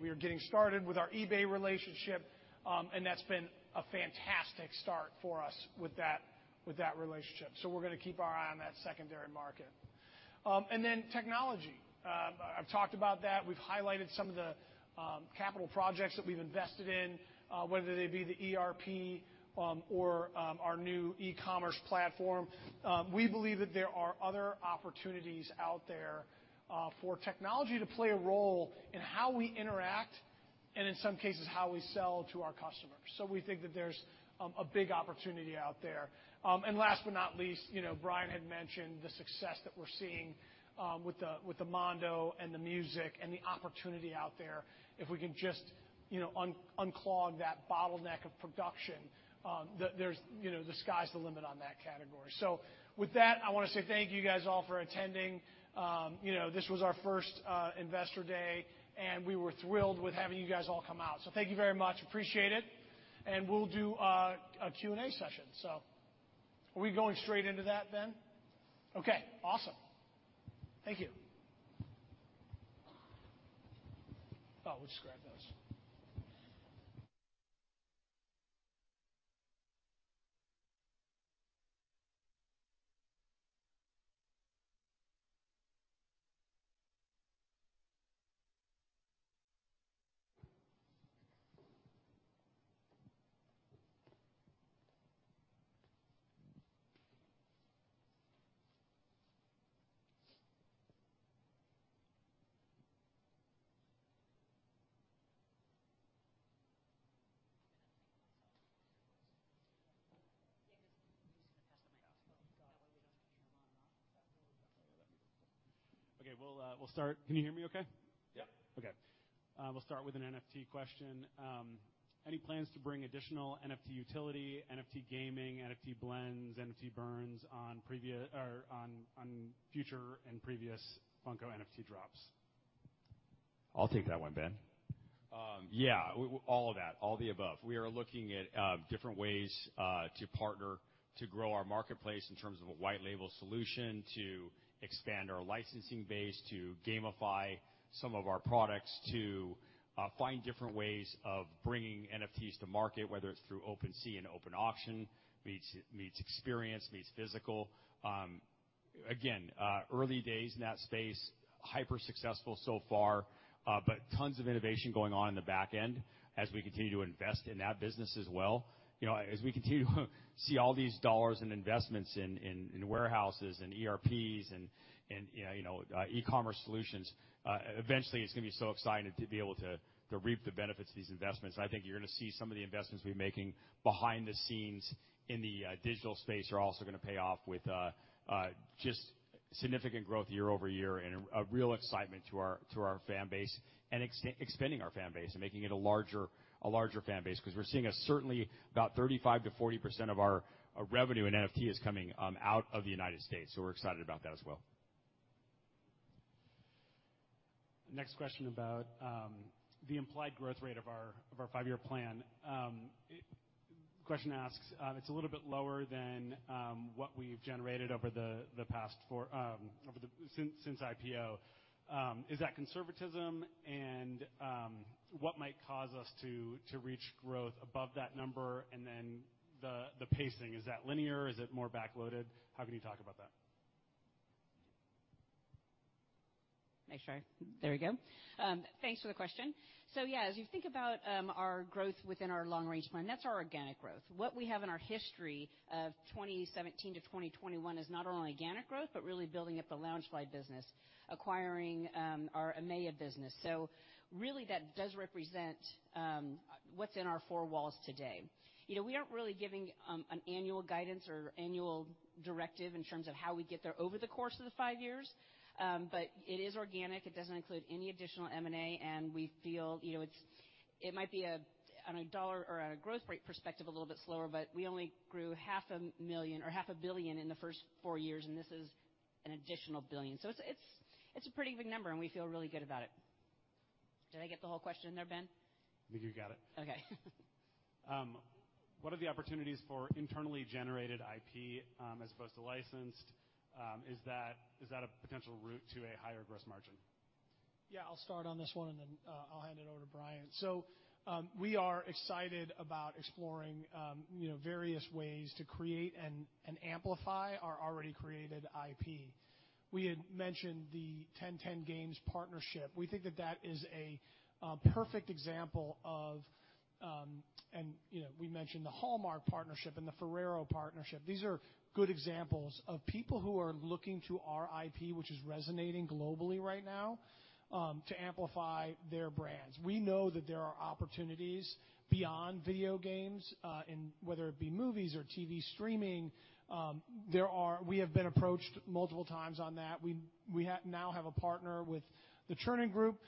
We are getting started with our eBay relationship, and that's been a fantastic start for us with that relationship. We're gonna keep our eye on that secondary market. Then technology. I've talked about that. We've highlighted some of the capital projects that we've invested in, whether they be the ERP or our new e-commerce platform. We believe that there are other opportunities out there for technology to play a role in how we interact and in some cases, how we sell to our customers. We think that there's a big opportunity out there. Last but not least, you know, Brian had mentioned the success that we're seeing with the Mondo and the music and the opportunity out there if we can just, you know, unclog that bottleneck of production. There's, you know, the sky's the limit on that category. With that, I wanna say thank you guys all for attending. You know, this was our first Investor Day, and we were thrilled with having you guys all come out. Thank you very much. Appreciate it. We'll do a Q&A session. Are we going straight into that, Ben? Okay, awesome. Thank you. Oh, we'll just grab those. Okay, we'll start. Can you hear me okay? Yep. Okay, we'll start with an NFT question. Any plans to bring additional NFT utility, NFT gaming, NFT blends, NFT burns on future and previous Funko NFT drops? I'll take that one, Ben. Yeah, all of that. All the above. We are looking at different ways to partner to grow our marketplace in terms of a white label solution to expand our licensing base, to gamify some of our products, to find different ways of bringing NFTs to market, whether it's through OpenSea and open auction, be it experience, be it physical. Again, early days in that space, hyper successful so far, but tons of innovation going on in the back end as we continue to invest in that business as well. You know, as we continue to see all these dollars and investments in warehouses and ERPs and e-commerce solutions, eventually it's gonna be so exciting to be able to reap the benefits of these investments. I think you're gonna see some of the investments we're making behind the scenes in the digital space are also gonna pay off with just significant growth year-over-year and a real excitement to our fan base and expanding our fan base and making it a larger fan base 'cause we're seeing certainly about 35%-40% of our revenue in NFT is coming out of the United States, so we're excited about that as well. Next question about the implied growth rate of our five-year plan. Question asks, it's a little bit lower than what we've generated over the past four since IPO. Is that conservatism? What might cause us to reach growth above that number? The pacing, is that linear? Is it more back-loaded? How can you talk about that? Thanks for the question. Yeah, as you think about our growth within our long-range plan, that's our organic growth. What we have in our history of 2017 to 2021 is not only organic growth, but really building up the Loungefly business, acquiring our EMEA business. Really that does represent what's in our four walls today. You know, we aren't really giving an annual guidance or annual directive in terms of how we get there over the course of the five years. It is organic. It doesn't include any additional M&A, and we feel, you know, it's it might be on a dollar or on a growth rate perspective, a little bit slower, but we only grew half a million or half a billion in the first four years, and this is an additional $1 billion. It's a pretty big number, and we feel really good about it. Did I get the whole question in there, Ben? I think you got it. Okay. What are the opportunities for internally generated IP, as opposed to licensed? Is that a potential route to a higher gross margin? Yeah. I'll start on this one and then I'll hand it over to Brian. We are excited about exploring you know various ways to create and amplify our already created IP. We had mentioned the 10:10 Games partnership. We think that that is a perfect example of. We mentioned the Hallmark partnership and the Ferrero partnership. These are good examples of people who are looking to our IP, which is resonating globally right now to amplify their brands. We know that there are opportunities beyond video games and whether it be movies or TV streaming there are. We have been approached multiple times on that. We now have a partner with The Chernin Group,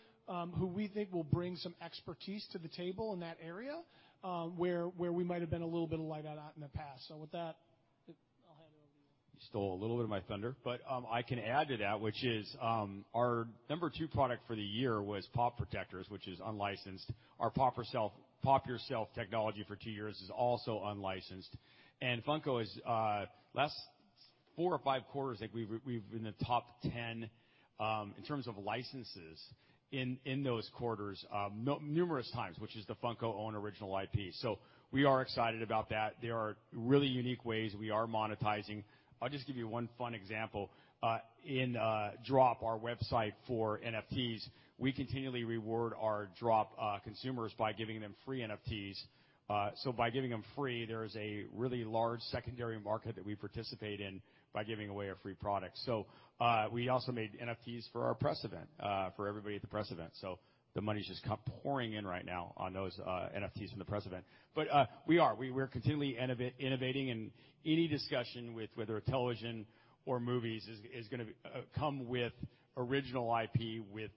who we think will bring some expertise to the table in that area, where we might have been a little bit light out in the past. With that, I'll hand it over to you. You stole a little bit of my thunder, but I can add to that, which is our number two product for the year was Pop! Protectors, which is unlicensed. Our POP! Yourself technology for two years is also unlicensed. Funko is last four or five quarters, like, we've been in the top 10 in terms of licenses in those quarters numerous times, which is the Funko own original IP. We are excited about that. There are really unique ways we are monetizing. I'll just give you one fun example. In Droppp, our website for NFTs, we continually reward our Droppp consumers by giving them free NFTs. By giving them free, there is a really large secondary market that we participate in by giving away a free product. We also made NFTs for our press event for everybody at the press event. The money's just come pouring in right now on those NFTs from the press event. We're continually innovating, and any discussion with whether television or movies is gonna come with original IP with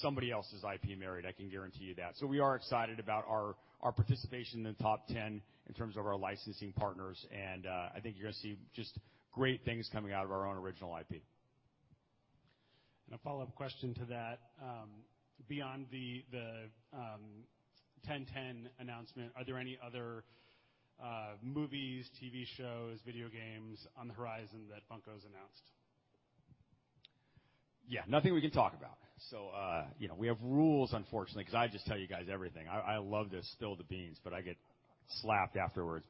somebody else's IP married, I can guarantee you that. We're excited about our participation in the top ten in terms of our licensing partners, and I think you're gonna see just great things coming out of our own original IP. A follow-up question to that. Beyond the 10:10 Games announcement, are there any other movies, TV shows, video games on the horizon that Funko's announced? Yeah. Nothing we can talk about. You know, we have rules, unfortunately, 'cause I just tell you guys everything. I love to spill the beans, but I get slapped afterwards.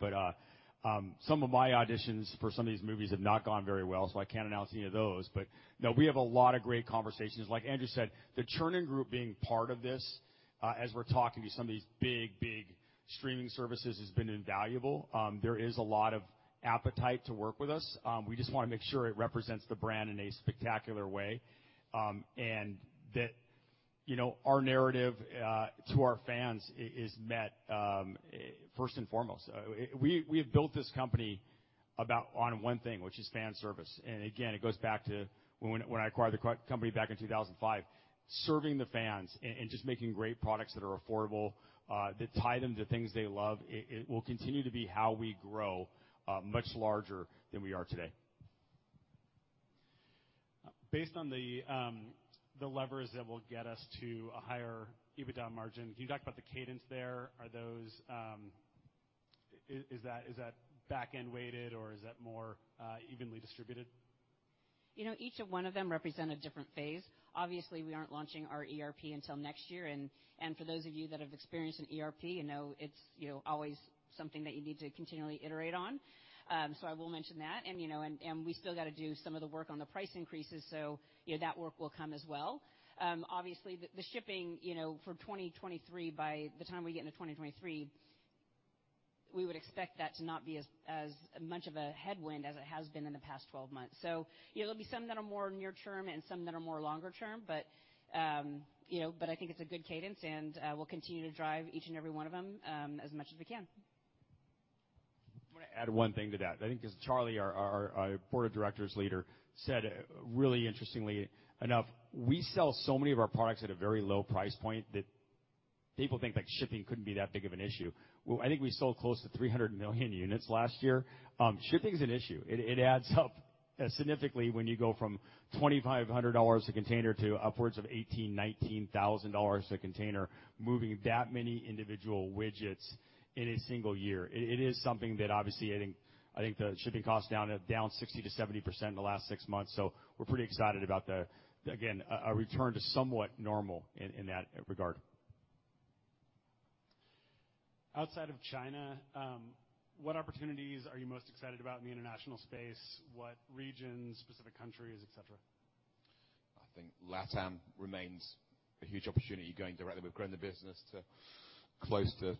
Some of my auditions for some of these movies have not gone very well, so I can't announce any of those. No, we have a lot of great conversations. Like Andrew said, The Chernin Group being part of this, as we're talking to some of these big, big streaming services, has been invaluable. There is a lot of appetite to work with us. We just wanna make sure it represents the brand in a spectacular way, and that, you know, our narrative to our fans is met, first and foremost. We have built this company about on one thing, which is fan service. Again, it goes back to when I acquired the company back in 2005, serving the fans and just making great products that are affordable, that tie them to things they love. It will continue to be how we grow much larger than we are today. Based on the levers that will get us to a higher EBITDA margin, can you talk about the cadence there? Is that back-end weighted, or is that more evenly distributed? You know, each one of them represent a different phase. Obviously, we aren't launching our ERP until next year. For those of you that have experienced an ERP, you know, it's, you know, always something that you need to continually iterate on. I will mention that. You know, we still gotta do some of the work on the price increases, you know, that work will come as well. Obviously, the shipping, you know, for 2023, by the time we get into 2023, we would expect that to not be as much of a headwind as it has been in the past 12 months. You know, there'll be some that are more near term and some that are more longer term. you know, but I think it's a good cadence, and we'll continue to drive each and every one of them, as much as we can. I'm gonna add one thing to that. I think 'cause Charlie, our board of directors leader, said really interestingly enough, we sell so many of our products at a very low price point that people think that shipping couldn't be that big of an issue. Well, I think we sold close to 300 million units last year. Shipping is an issue. It adds up significantly when you go from $2,500 a container to upwards of $18,000-$19,000 a container, moving that many individual widgets in a single year. It is something that obviously I think the shipping costs down 60%-70% in the last six months. We're pretty excited about the again a return to somewhat normal in that regard. Outside of China, what opportunities are you most excited about in the international space? What regions, specific countries, et cetera? I think LATAM remains a huge opportunity going directly. We've grown the business to close to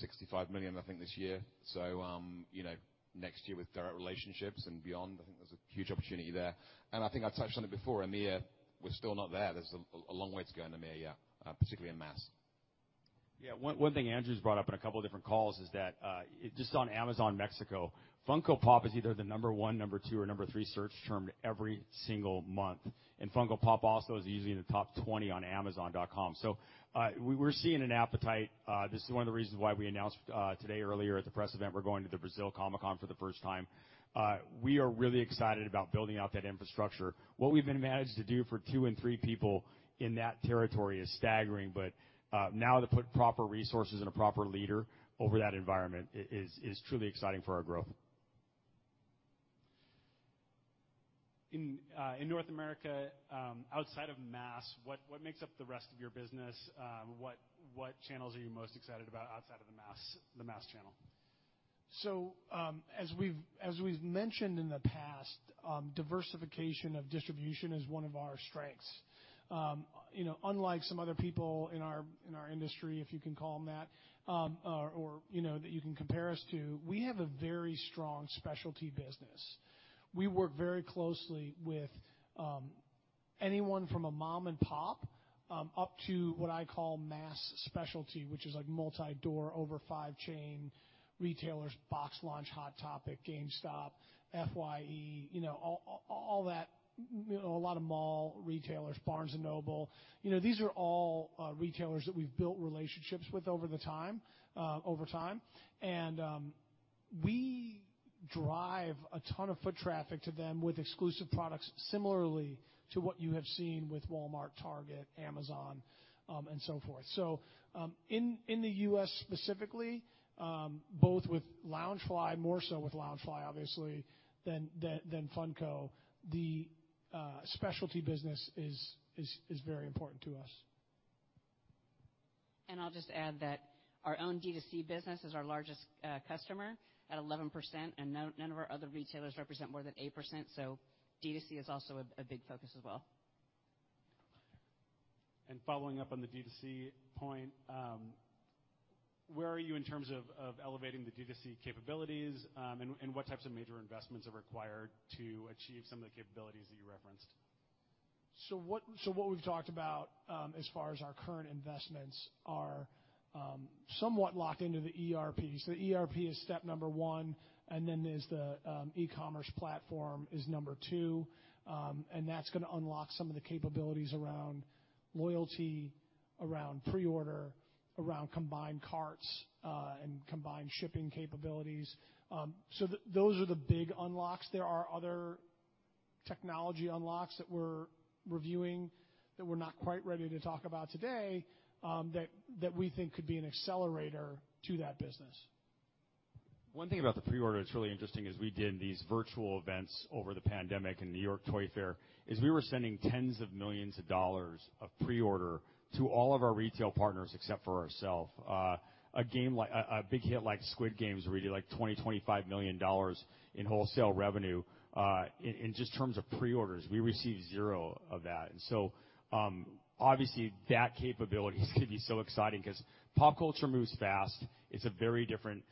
$65 million, I think, this year. You know, next year with direct relationships and beyond, I think there's a huge opportunity there. I think I touched on it before, EMEA, we're still not there. There's a long way to go in EMEA, yeah, particularly in mass. Yeah. One thing Andrew's brought up in a couple of different calls is that, just on Amazon Mexico, Funko Pop is either the number one, number two, or number three search term every single month. Funko Pop also is usually in the top 20 on amazon.com. We're seeing an appetite. This is one of the reasons why we announced earlier today at the press event, we're going to the Brazil Comic-Con for the first time. We are really excited about building out that infrastructure. What we've been managed to do with two or three people in that territory is staggering. Now to put proper resources and a proper leader over that environment is truly exciting for our growth. In North America, outside of mass, what makes up the rest of your business? What channels are you most excited about outside of the mass channel? As we've mentioned in the past, diversification of distribution is one of our strengths. You know, unlike some other people in our industry, if you can call them that, or you know, that you can compare us to, we have a very strong specialty business. We work very closely with anyone from a mom and pop up to what I call mass specialty, which is like multi-door, over-50 chain retailers, BoxLunch, Hot Topic, GameStop, FYE, you know, all that. You know, a lot of mall retailers, Barnes & Noble. You know, these are all retailers that we've built relationships with over time. We drive a ton of foot traffic to them with exclusive products, similarly to what you have seen with Walmart, Target, Amazon, and so forth. In the U.S. specifically, both with Loungefly, more so with Loungefly, obviously, than Funko, the specialty business is very important to us. I'll just add that our own D2C business is our largest customer at 11%, and none of our other retailers represent more than 8%. D2C is also a big focus as well. Following up on the D2C point, where are you in terms of elevating the D2C capabilities? What types of major investments are required to achieve some of the capabilities that you referenced? What we've talked about as far as our current investments are somewhat locked into the ERP. The ERP is step number one, and then there's the e-commerce platform is number two. That's gonna unlock some of the capabilities around loyalty, around pre-order, around combined carts, and combined shipping capabilities. Those are the big unlocks. There are other technology unlocks that we're reviewing that we're not quite ready to talk about today, that we think could be an accelerator to that business. One thing about the pre-order that's really interesting is we did these virtual events over the pandemic in New York Toy Fair. We were sending $10s of millions of pre-orders to all of our retail partners except for ourselves. A big hit like Squid Game, we did like $20 million-$25 million in wholesale revenue in just terms of pre-orders. We received zero of that. Obviously, that capability is gonna be so exciting 'cause pop culture moves fast. It's a very different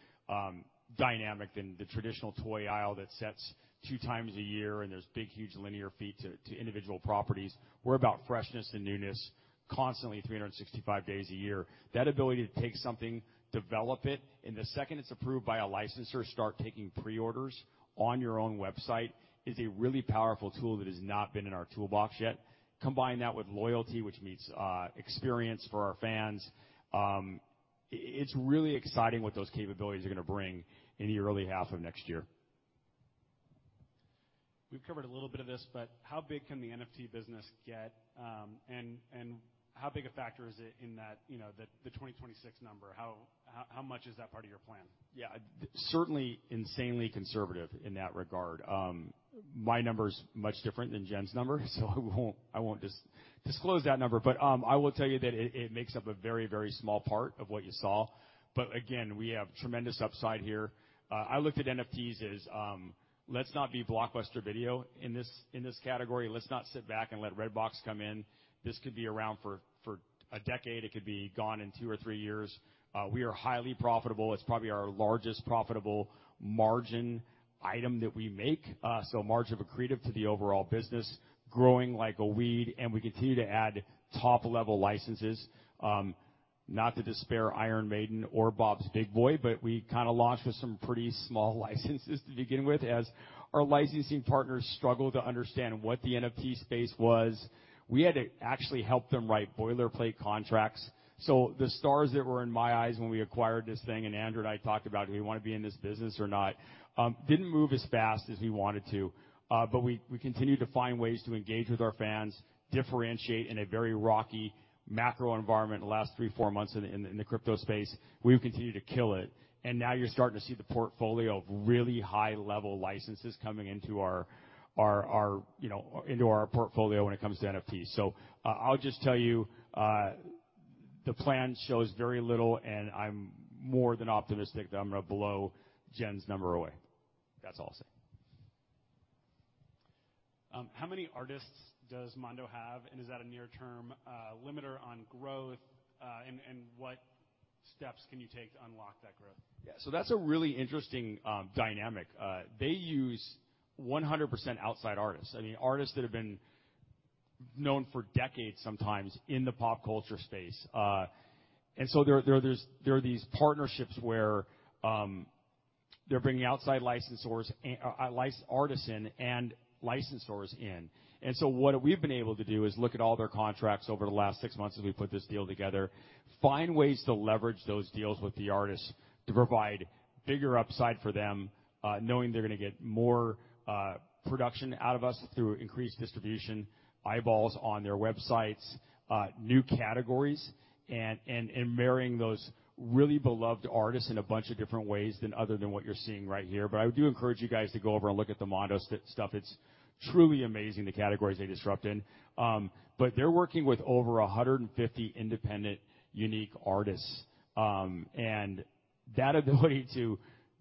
dynamic than the traditional toy aisle that sets two times a year, and there's big, huge linear feet to individual properties. We're about freshness and newness constantly, 365 days a year. That ability to take something, develop it, and the second it's approved by a licensor, start taking pre-orders on your own website, is a really powerful tool that has not been in our toolbox yet. Combine that with loyalty, which means, experience for our fans, it's really exciting what those capabilities are gonna bring in the early half of next year. We've covered a little bit of this, but how big can the NFT business get? And how big a factor is it in that, you know, the 2026 number? How much is that part of your plan? Yeah. Certainly insanely conservative in that regard. My number's much different than Jen's number, so I won't disclose that number. I will tell you that it makes up a very, very small part of what you saw. Again, we have tremendous upside here. I looked at NFTs as, let's not be Blockbuster Video in this category. Let's not sit back and let Redbox come in. This could be around for a decade. It could be gone in two or three years. We are highly profitable. It's probably our largest profitable margin item that we make. So margin accretive to the overall business, growing like a weed, and we continue to add top-level licenses. Not to despair Iron Maiden or Bob's Big Boy, but we kinda launched with some pretty small licenses to begin with as our licensing partners struggled to understand what the NFT space was. We had to actually help them write boilerplate contracts. The stars that were in my eyes when we acquired this thing, and Andrew and I talked about do we wanna be in this business or not, didn't move as fast as we wanted to. We continue to find ways to engage with our fans, differentiate in a very rocky macro environment the last three, four months in the crypto space. We've continued to kill it, and now you're starting to see the portfolio of really high level licenses coming into our portfolio when it comes to NFT. I'll just tell you, the plan shows very little, and I'm more than optimistic that I'm gonna blow Jen's number away. That's all I'll say. How many artists does Mondo have, and is that a near-term limiter on growth? What steps can you take to unlock that growth? Yeah. That's a really interesting dynamic. They use 100% outside artists, I mean, artists that have been known for decades sometimes in the pop culture space. There are these partnerships where they're bringing outside licensors and artists in. What we've been able to do is look at all their contracts over the last six months as we put this deal together, find ways to leverage those deals with the artists to provide bigger upside for them, knowing they're gonna get more production out of us through increased distribution, eyeballs on their websites, new categories, and marrying those really beloved artists in a bunch of different ways than what you're seeing right here. I do encourage you guys to go over and look at the Mondo stuff. It's truly amazing the categories they disrupt in. They're working with over 150 independent, unique artists, and that ability to do more.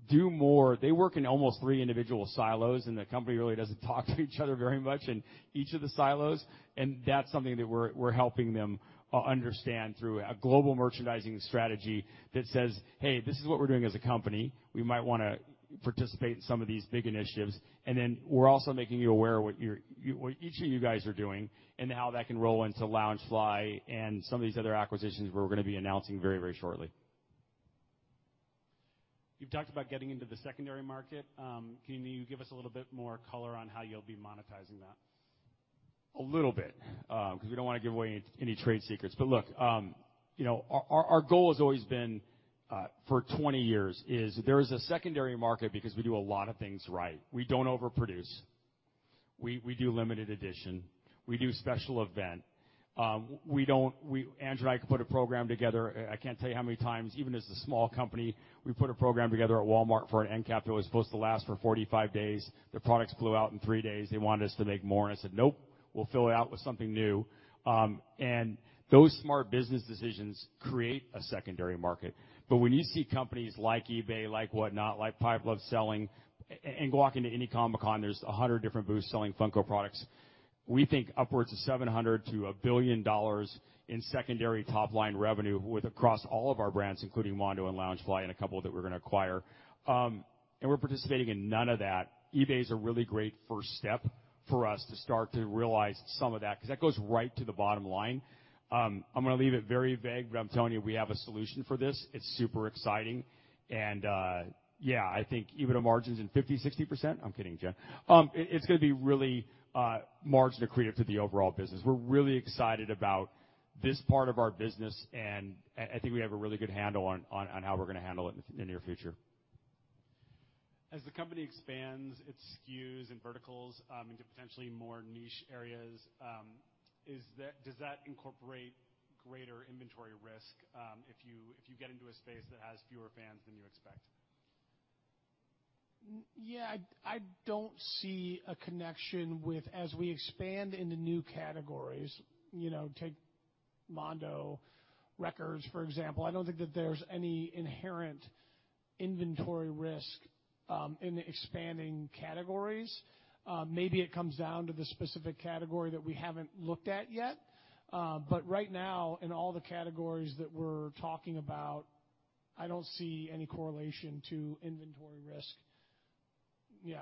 They work in almost three individual silos, and the company really doesn't talk to each other very much in each of the silos, and that's something that we're helping them understand through a global merchandising strategy that says, "Hey, this is what we're doing as a company. We might wanna participate in some of these big initiatives." We're also making you aware what each of you guys are doing and how that can roll into Loungefly and some of these other acquisitions we're gonna be announcing very, very shortly. You've talked about getting into the secondary market. Can you give us a little bit more color on how you'll be monetizing that? A little bit, 'cause we don't wanna give away any trade secrets. Look, you know, our goal has always been, for 20 years, is there a secondary market because we do a lot of things right. We don't overproduce. We do limited edition. We do special event. Andrew and I could put a program together, I can't tell you how many times, even as a small company, we put a program together at Walmart for an end cap that was supposed to last for 45 days. Their products flew out in three days. They wanted us to make more, and I said, "Nope. We'll fill it out with something new." Those smart business decisions create a secondary market. When you see companies like eBay, like Whatnot, like Popshop Live selling. Walk into any Comic-Con, there's a hundred different booths selling Funko products. We think upwards of $700 million to $1 billion in secondary top-line revenue across all of our brands, including Mondo and Loungefly and a couple that we're gonna acquire. We're participating in none of that. eBay's a really great first step for us to start to realize some of that, 'cause that goes right to the bottom line. I'm gonna leave it very vague, but I'm telling you, we have a solution for this. It's super exciting. Yeah, I think EBITDA margins in 50%-60%. I'm kidding, Jen. It's gonna be really margin accretive to the overall business. We're really excited about this part of our business, and I think we have a really good handle on how we're gonna handle it in the near future. As the company expands its SKUs and verticals into potentially more niche areas, does that incorporate greater inventory risk if you get into a space that has fewer fans than you expect? Yeah. I don't see a connection with as we expand into new categories, you know, take Mondo, for example. I don't think that there's any inherent inventory risk in the expanding categories. Maybe it comes down to the specific category that we haven't looked at yet. But right now, in all the categories that we're talking about, I don't see any correlation to inventory risk. Yeah.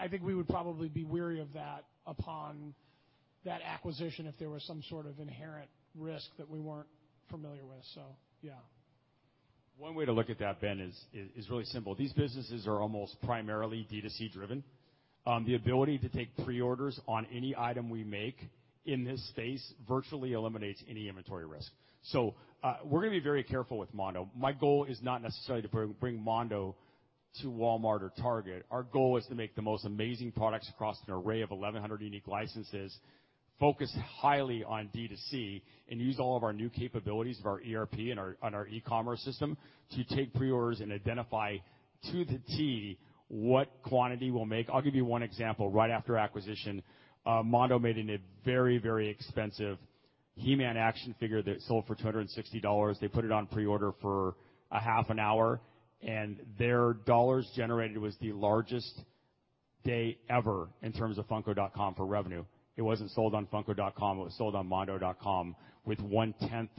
I think we would probably be wary of that upon that acquisition if there was some sort of inherent risk that we weren't familiar with. Yeah. One way to look at that, Ben, is really simple. These businesses are almost primarily D2C driven. The ability to take pre-orders on any item we make in this space virtually eliminates any inventory risk. We're gonna be very careful with Mondo. My goal is not necessarily to bring Mondo to Walmart or Target. Our goal is to make the most amazing products across an array of 1,100 unique licenses, focus highly on D2C, and use all of our new capabilities of our ERP and our e-commerce system to take pre-orders and identify to the T what quantity we'll make. I'll give you one example. Right after acquisition, Mondo made a very expensive He-Man action figure that sold for $260. They put it on pre-order for half an hour, and their dollars generated was the largest day ever in terms of Funko.com for revenue. It wasn't sold on Funko.com, it was sold on mondoshop.com with one-tenth,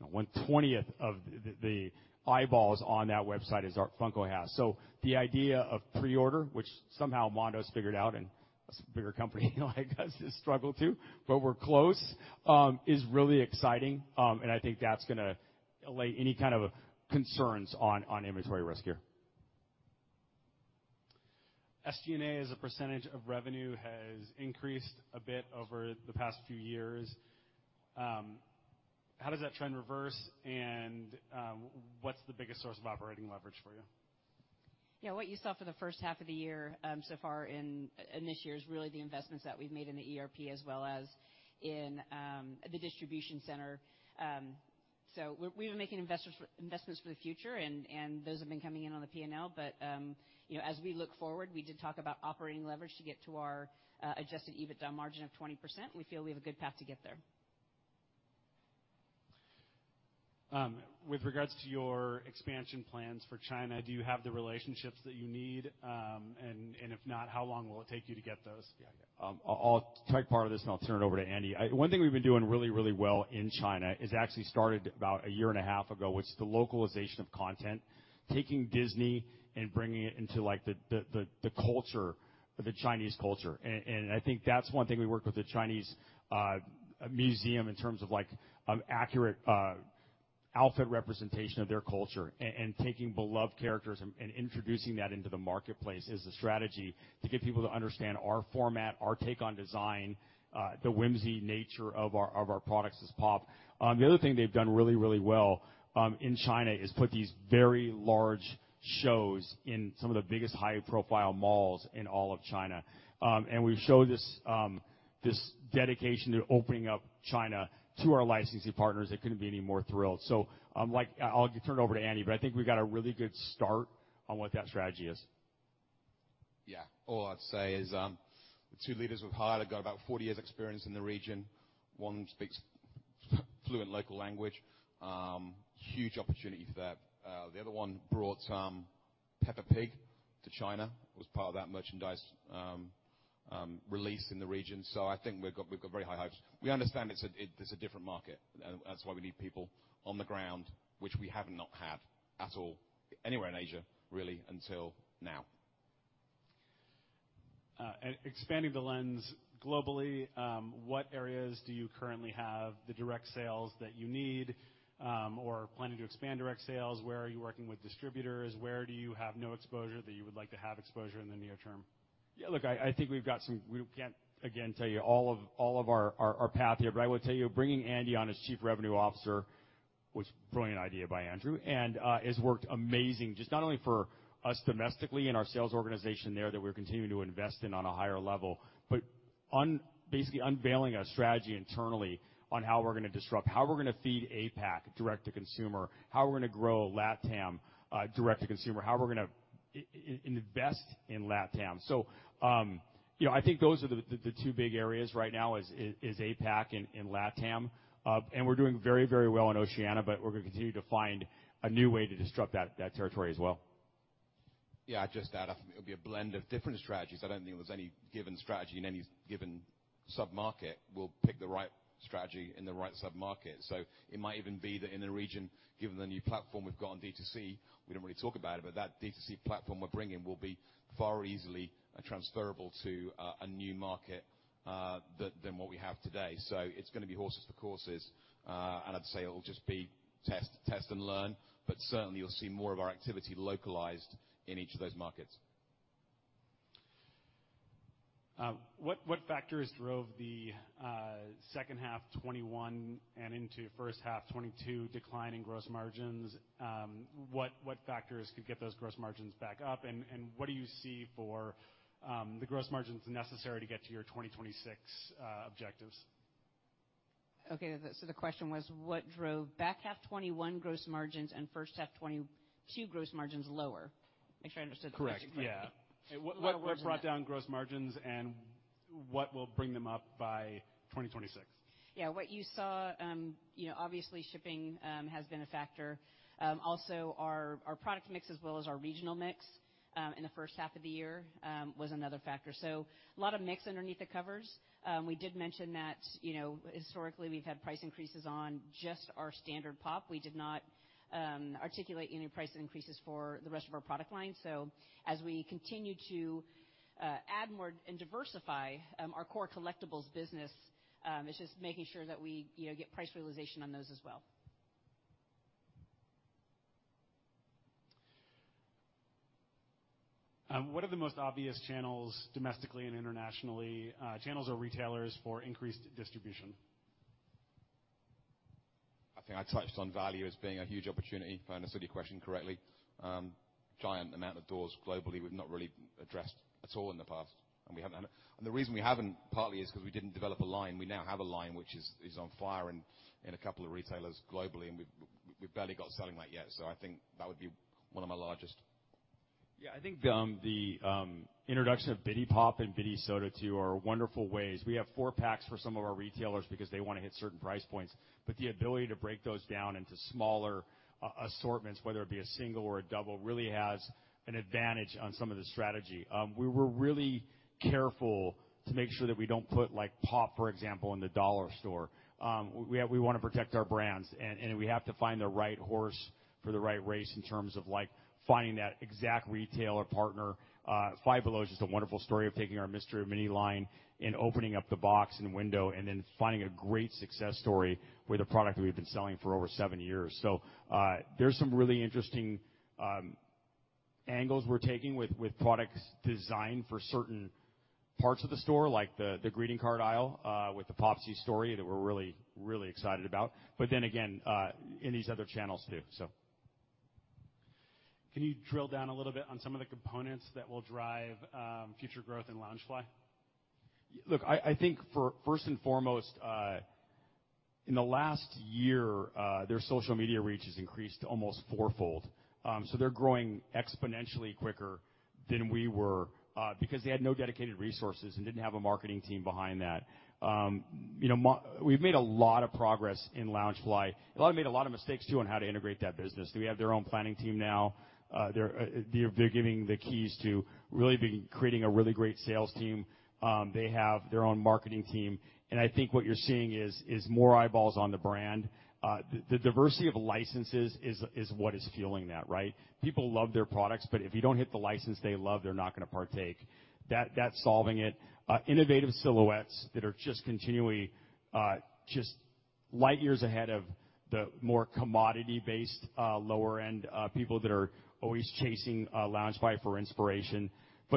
no, one-twentieth of the eyeballs on that website as our Funko has. The idea of pre-order, which somehow Mondo's figured out and us bigger company, like us, just struggle to, but we're close, is really exciting. I think that's gonna allay any kind of concerns on inventory risk here. SG&A as a percentage of revenue has increased a bit over the past few years. How does that trend reverse and, what's the biggest source of operating leverage for you? Yeah, what you saw for the H1 of the year, so far in this year is really the investments that we've made in the ERP as well as in the distribution center. We've been making investments for the future and those have been coming in on the P&L. You know, as we look forward, we did talk about operating leverage to get to our adjusted EBITDA margin of 20%. We feel we have a good path to get there. With regards to your expansion plans for China, do you have the relationships that you need? If not, how long will it take you to get those? Yeah, yeah. I'll take part of this, and I'll turn it over to Andy. One thing we've been doing really, really well in China is actually started about a year and a half ago, which is the localization of content, taking Disney and bringing it into, like, the culture, the Chinese culture. I think that's one thing we worked with the Chinese museum in terms of, like, accurate outfit representation of their culture and taking beloved characters and introducing that into the marketplace is a strategy to get people to understand our format, our take on design, the whimsy nature of our products as Pop! The other thing they've done really, really well in China is put these very large shows in some of the biggest high-profile malls in all of China. We've showed this dedication to opening up China to our licensing partners. They couldn't be any more thrilled. Like, I'll turn it over to Andy, but I think we've got a really good start on what that strategy is. Yeah. All I'd say is, the two leaders we've hired have got about 40 years experience in the region. One speaks fluent local language. Huge opportunity for that. The other one brought Peppa Pig to China, was part of that merchandise release in the region. I think we've got very high hopes. We understand it's a different market. That's why we need people on the ground, which we have not had at all anywhere in Asia, really, until now. Expanding the lens globally, what areas do you currently have the direct sales that you need, or planning to expand direct sales? Where are you working with distributors? Where do you have no exposure that you would like to have exposure in the near term? Yeah, look, I think we've got some. We can't, again, tell you all of our path here. I will tell you, bringing Andy on as Chief Revenue Officer was a brilliant idea by Andrew, and it's worked amazing, just not only for us domestically in our sales organization there that we're continuing to invest in on a higher level, but basically unveiling a strategy internally on how we're gonna disrupt, how we're gonna feed APAC direct to consumer, how we're gonna grow LATAM, direct to consumer, how we're gonna invest in LATAM. You know, I think those are the two big areas right now is APAC and LATAM. We're doing very, very well in Oceania, but we're gonna continue to find a new way to disrupt that territory as well. Yeah, just add, it'll be a blend of different strategies. I don't think there's any given strategy in any given sub-market. We'll pick the right strategy in the right sub-market. It might even be that in a region, given the new platform we've got on D2C, we didn't really talk about it, but that D2C platform we're bringing will be far easily transferable to a new market than what we have today. It's gonna be horses for courses. I'd say it'll just be test and learn, but certainly you'll see more of our activity localized in each of those markets. What factors drove the H2 2021 and into first half 2022 decline in gross margins? What factors could get those gross margins back up? What do you see for the gross margins necessary to get to your 2026 objectives? Okay, the question was what drove back half 2021 gross margins and H1 2022 gross margins lower. Make sure I understood the question correctly. Correct. Yeah. Or wasn't that- What brought down gross margins and what will bring them up by 2026? Yeah. What you saw, you know, obviously shipping has been a factor. Also our product mix as well as our regional mix in the first half of the year was another factor. A lot of mix underneath the covers. We did mention that, you know, historically, we've had price increases on just our standard Pop! We did not articulate any price increases for the rest of our product line. As we continue to add more and diversify our core collectibles business, it's just making sure that we, you know, get price realization on those as well. What are the most obvious channels domestically and internationally, channels or retailers for increased distribution? I think I touched on value as being a huge opportunity, if I understood your question correctly. Giant amount of doors globally we've not really addressed at all in the past, and we haven't had. The reason we haven't partly is because we didn't develop a line. We now have a line which is on fire in a couple of retailers globally, and we've barely got selling that yet. I think that would be one of my largest. Yeah, I think the introduction of Bitty POP! and Bitty Soda too are wonderful ways. We have four packs for some of our retailers because they wanna hit certain price points, but the ability to break those down into smaller assortments, whether it be a single or a double, really has an advantage on some of the strategy. We were really careful to make sure that we don't put, like, POP!, for example, in the dollar store. We wanna protect our brands and we have to find the right horse for the right race in terms of, like, finding that exact retailer partner. Five Below is just a wonderful story of taking our Mystery Minis line and opening up the box and window and then finding a great success story with a product that we've been selling for over seven years. There's some really interesting angles we're taking with products designed for certain parts of the store, like the greeting card aisle with the Popsies that we're really excited about. In these other channels too. Can you drill down a little bit on some of the components that will drive future growth in Loungefly? Look, I think first and foremost, in the last year, their social media reach has increased almost fourfold. They're growing exponentially quicker than we were, because they had no dedicated resources and didn't have a marketing team behind that. You know, we've made a lot of progress in Loungefly. Well, I made a lot of mistakes too, on how to integrate that business. We have their own planning team now. They're giving the keys to creating a really great sales team. They have their own marketing team, and I think what you're seeing is more eyeballs on the brand. The diversity of licenses is what is fueling that, right? People love their products, but if you don't hit the license they love, they're not gonna partake. That's solving it. Innovative silhouettes that are just continually just light years ahead of the more commodity-based lower-end people that are always chasing Loungefly for inspiration.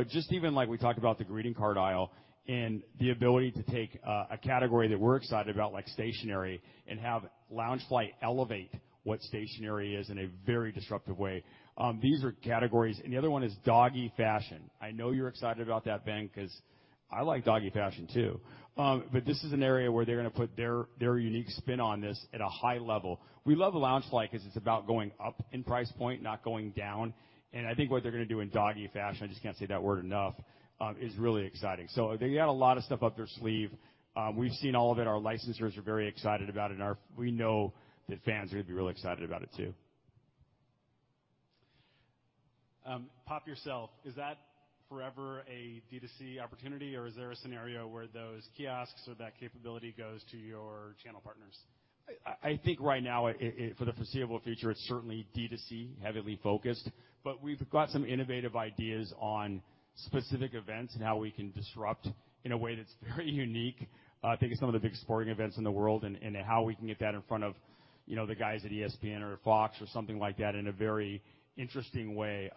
Just even like we talked about the greeting card aisle and the ability to take a category that we're excited about, like stationery, and have Loungefly elevate what stationery is in a very disruptive way. These are categories. The other one is doggy fashion. I know you're excited about that, Ben, 'cause I like doggy fashion too. This is an area where they're gonna put their unique spin on this at a high level. We love Loungefly 'cause it's about going up in price point, not going down. I think what they're gonna do in doggy fashion, I just can't say that word enough, is really exciting. They got a lot of stuff up their sleeve. We've seen all of it. Our licensors are very excited about it, and we know that fans are gonna be really excited about it too. POP! Yourself, is that forever a D2C opportunity, or is there a scenario where those kiosks or that capability goes to your channel partners? I think right now, it, for the foreseeable future, it's certainly D2C heavily focused. We've got some innovative ideas on specific events and how we can disrupt in a way that's very unique, taking some of the big sporting events in the world and how we can get that in front of, you know, the guys at ESPN or Fox or something like that in a very interesting way.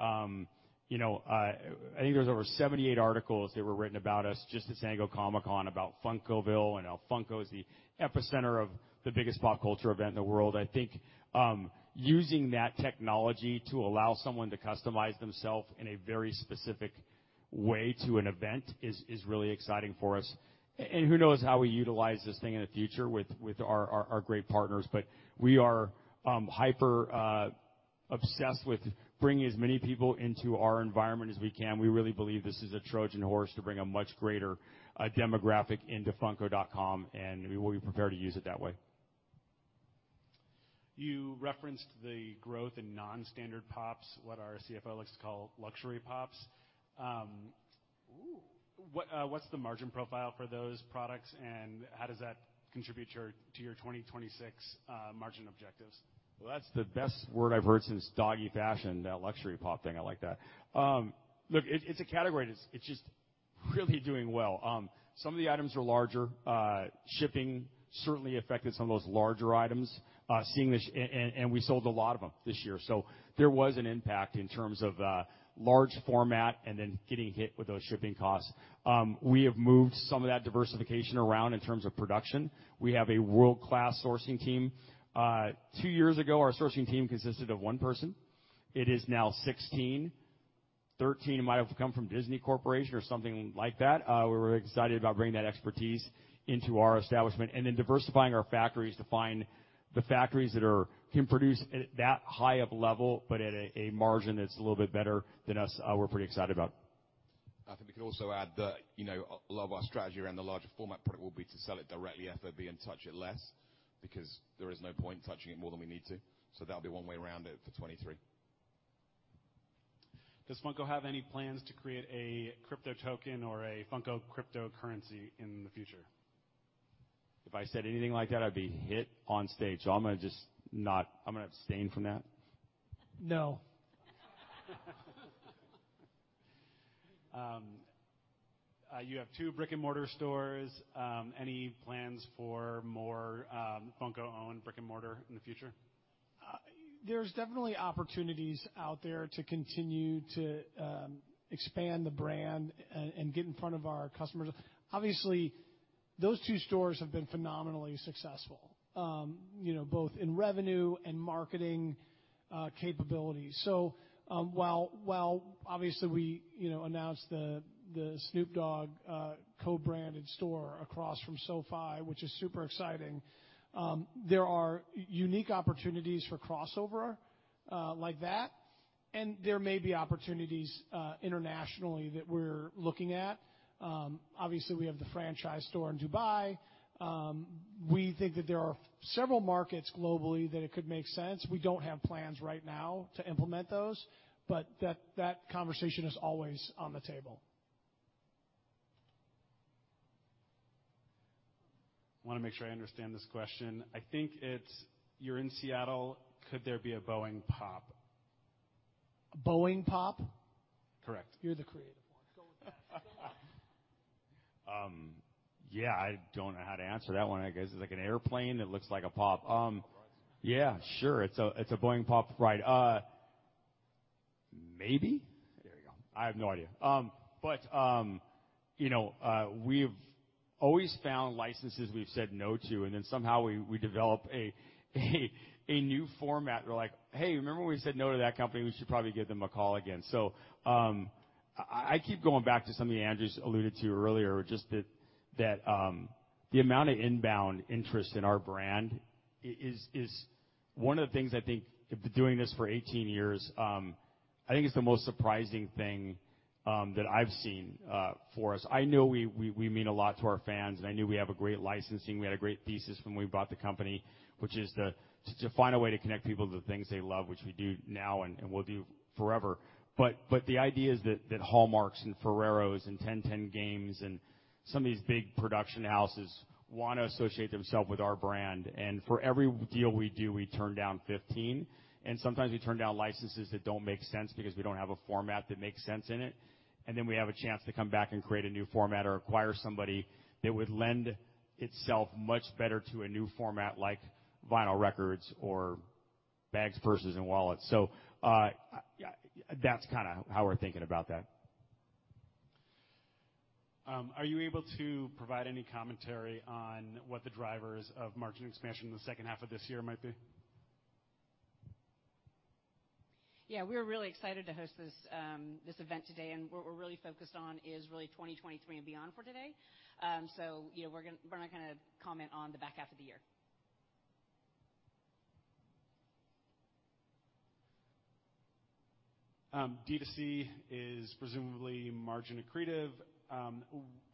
You know, I think there's over 78 articles that were written about us just at San Diego Comic-Con, about Funkoville and how Funko is the epicenter of the biggest pop culture event in the world. I think using that technology to allow someone to customize themself in a very specific way to an event is really exciting for us. Who knows how we utilize this thing in the future with our great partners. We are hyper obsessed with bringing as many people into our environment as we can. We really believe this is a Trojan horse to bring a much greater demographic into funko.com, and we will be prepared to use it that way. You referenced the growth in non-standard Pops, what our CFO likes to call luxury Pops. Ooh. What’s the margin profile for those products, and how does that contribute to your 2026 margin objectives? Well, that's the best word I've heard since doggy fashion, that luxury Pop thing. I like that. Look, it's a category that's just really doing well. Some of the items are larger. Shipping certainly affected some of those larger items, and we sold a lot of them this year. There was an impact in terms of large format and then getting hit with those shipping costs. We have moved some of that diversification around in terms of production. We have a world-class sourcing team. Two years ago, our sourcing team consisted of one person. It is now 16. 13 might have come from Disney or something like that. We're really excited about bringing that expertise into our establishment and then diversifying our factories to find the factories that can produce at that high of level but at a margin that's a little bit better than us. We're pretty excited about. I think we could also add that, you know, a lot of our strategy around the larger format product will be to sell it directly FOB and touch it less because there is no point touching it more than we need to. That'll be one way around it for 2023. Does Funko have any plans to create a crypto token or a Funko cryptocurrency in the future? If I said anything like that, I'd be hit on stage, so I'm gonna abstain from that. No. You have two brick-and-mortar stores. Any plans for more, Funko-owned brick and mortar in the future? There's definitely opportunities out there to continue to expand the brand and get in front of our customers. Obviously, those two stores have been phenomenally successful, you know, both in revenue and marketing capabilities. While obviously we, you know, announced the Snoop Dogg co-branded store across from SoFi, which is super exciting, there are unique opportunities for crossover like that, and there may be opportunities internationally that we're looking at. Obviously, we have the franchise store in Dubai. We think that there are several markets globally that it could make sense. We don't have plans right now to implement those, but that conversation is always on the table. I wanna make sure I understand this question. I think it's, you're in Seattle, could there be a Boeing Pop? A Boeing Pop? Correct. You're the creative one. Go with that. Yeah, I don't know how to answer that one. I guess it's like an airplane that looks like a Pop. Yeah, sure. It's a Boeing Pop ride. Maybe. There you go. I have no idea. You know, we've always found licenses we've said no to, and then somehow we develop a new format. We're like, "Hey, remember when we said no to that company? We should probably give them a call again." I keep going back to something Andrew's alluded to earlier, just that the amount of inbound interest in our brand is one of the things I think after doing this for 18 years, I think it's the most surprising thing that I've seen for us. I know we mean a lot to our fans, and I knew we have a great licensing. We had a great thesis when we bought the company, which is to find a way to connect people to the things they love, which we do now and will do forever. The idea is that Hallmark and Ferrero and 10:10 Games and some of these big production houses wanna associate themselves with our brand. For every deal we do, we turn down 15. Sometimes we turn down licenses that don't make sense because we don't have a format that makes sense in it, and then we have a chance to come back and create a new format or acquire somebody that would lend itself much better to a new format like vinyl records or bags, purses, and wallets. That's kinda how we're thinking about that. Are you able to provide any commentary on what the drivers of margin expansion in the second half of this year might be? Yeah. We're really excited to host this event today, and what we're really focused on is really 2023 and beyond for today. You know, we're not gonna comment on the back half of the year. D2C is presumably margin accretive.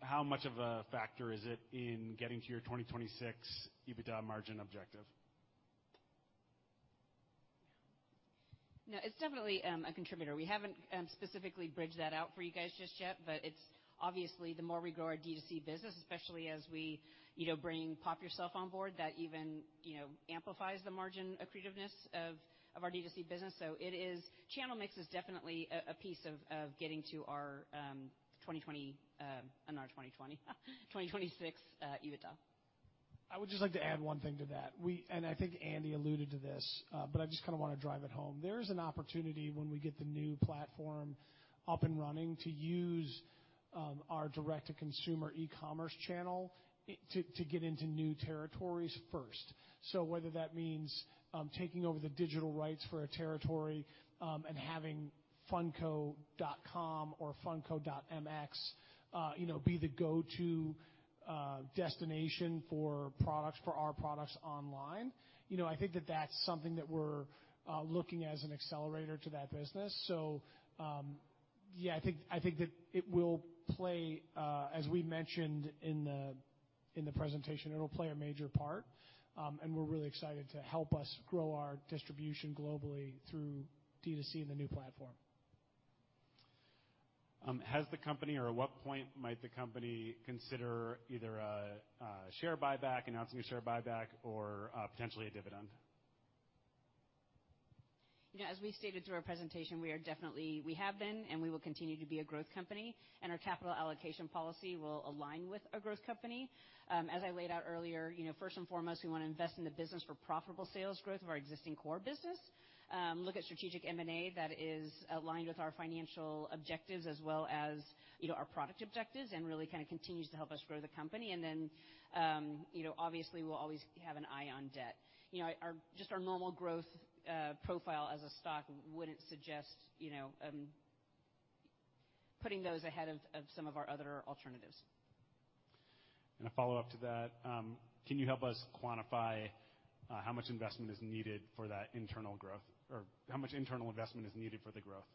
How much of a factor is it in getting to your 2026 EBITDA margin objective? No. It's definitely a contributor. We haven't specifically bridged that out for you guys just yet, but it's obviously the more we grow our D2C business, especially as we, you know, bring POP! Yourself on board, that even, you know, amplifies the margin accretiveness of our D2C business. Channel mix is definitely a piece of getting to our 2026 EBITDA. I would just like to add one thing to that. I think Andy alluded to this, but I just kinda wanna drive it home. There is an opportunity when we get the new platform up and running to use our direct-to-consumer e-commerce channel to get into new territories first. Whether that means taking over the digital rights for a territory and having funko.com or funko.mx you know be the go-to destination for products, for our products online. You know, I think that that's something that we're looking as an accelerator to that business. I think that it will play as we mentioned in the presentation. It'll play a major part and we're really excited to help us grow our distribution globally through D2C and the new platform. Has the company or at what point might the company consider either a share buyback, announcing a share buyback or potentially a dividend? You know, as we stated through our presentation, we are definitely. We have been, and we will continue to be a growth company, and our capital allocation policy will align with a growth company. As I laid out earlier, you know, first and foremost, we wanna invest in the business for profitable sales growth of our existing core business. Look at strategic M&A that is aligned with our financial objectives as well as, you know, our product objectives and really kinda continues to help us grow the company. You know, obviously we'll always have an eye on debt. You know, our just our normal growth profile as a stock wouldn't suggest, you know, putting those ahead of some of our other alternatives. A follow-up to that, can you help us quantify how much investment is needed for that internal growth or how much internal investment is needed for the growth?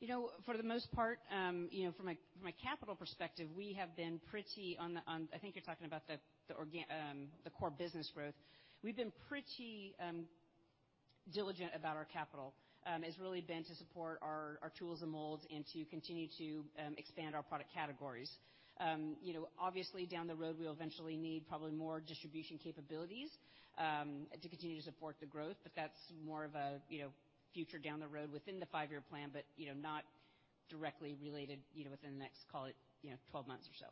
You know, for the most part, you know, from a capital perspective, I think you're talking about the core business growth. We've been pretty diligent about our capital. It's really been to support our tools and molds and to continue to expand our product categories. You know, obviously, down the road, we'll eventually need probably more distribution capabilities to continue to support the growth, but that's more of a, you know, future down the road within the five-year plan, but, you know, not directly related, you know, within the next, call it, you know, 12 months or so.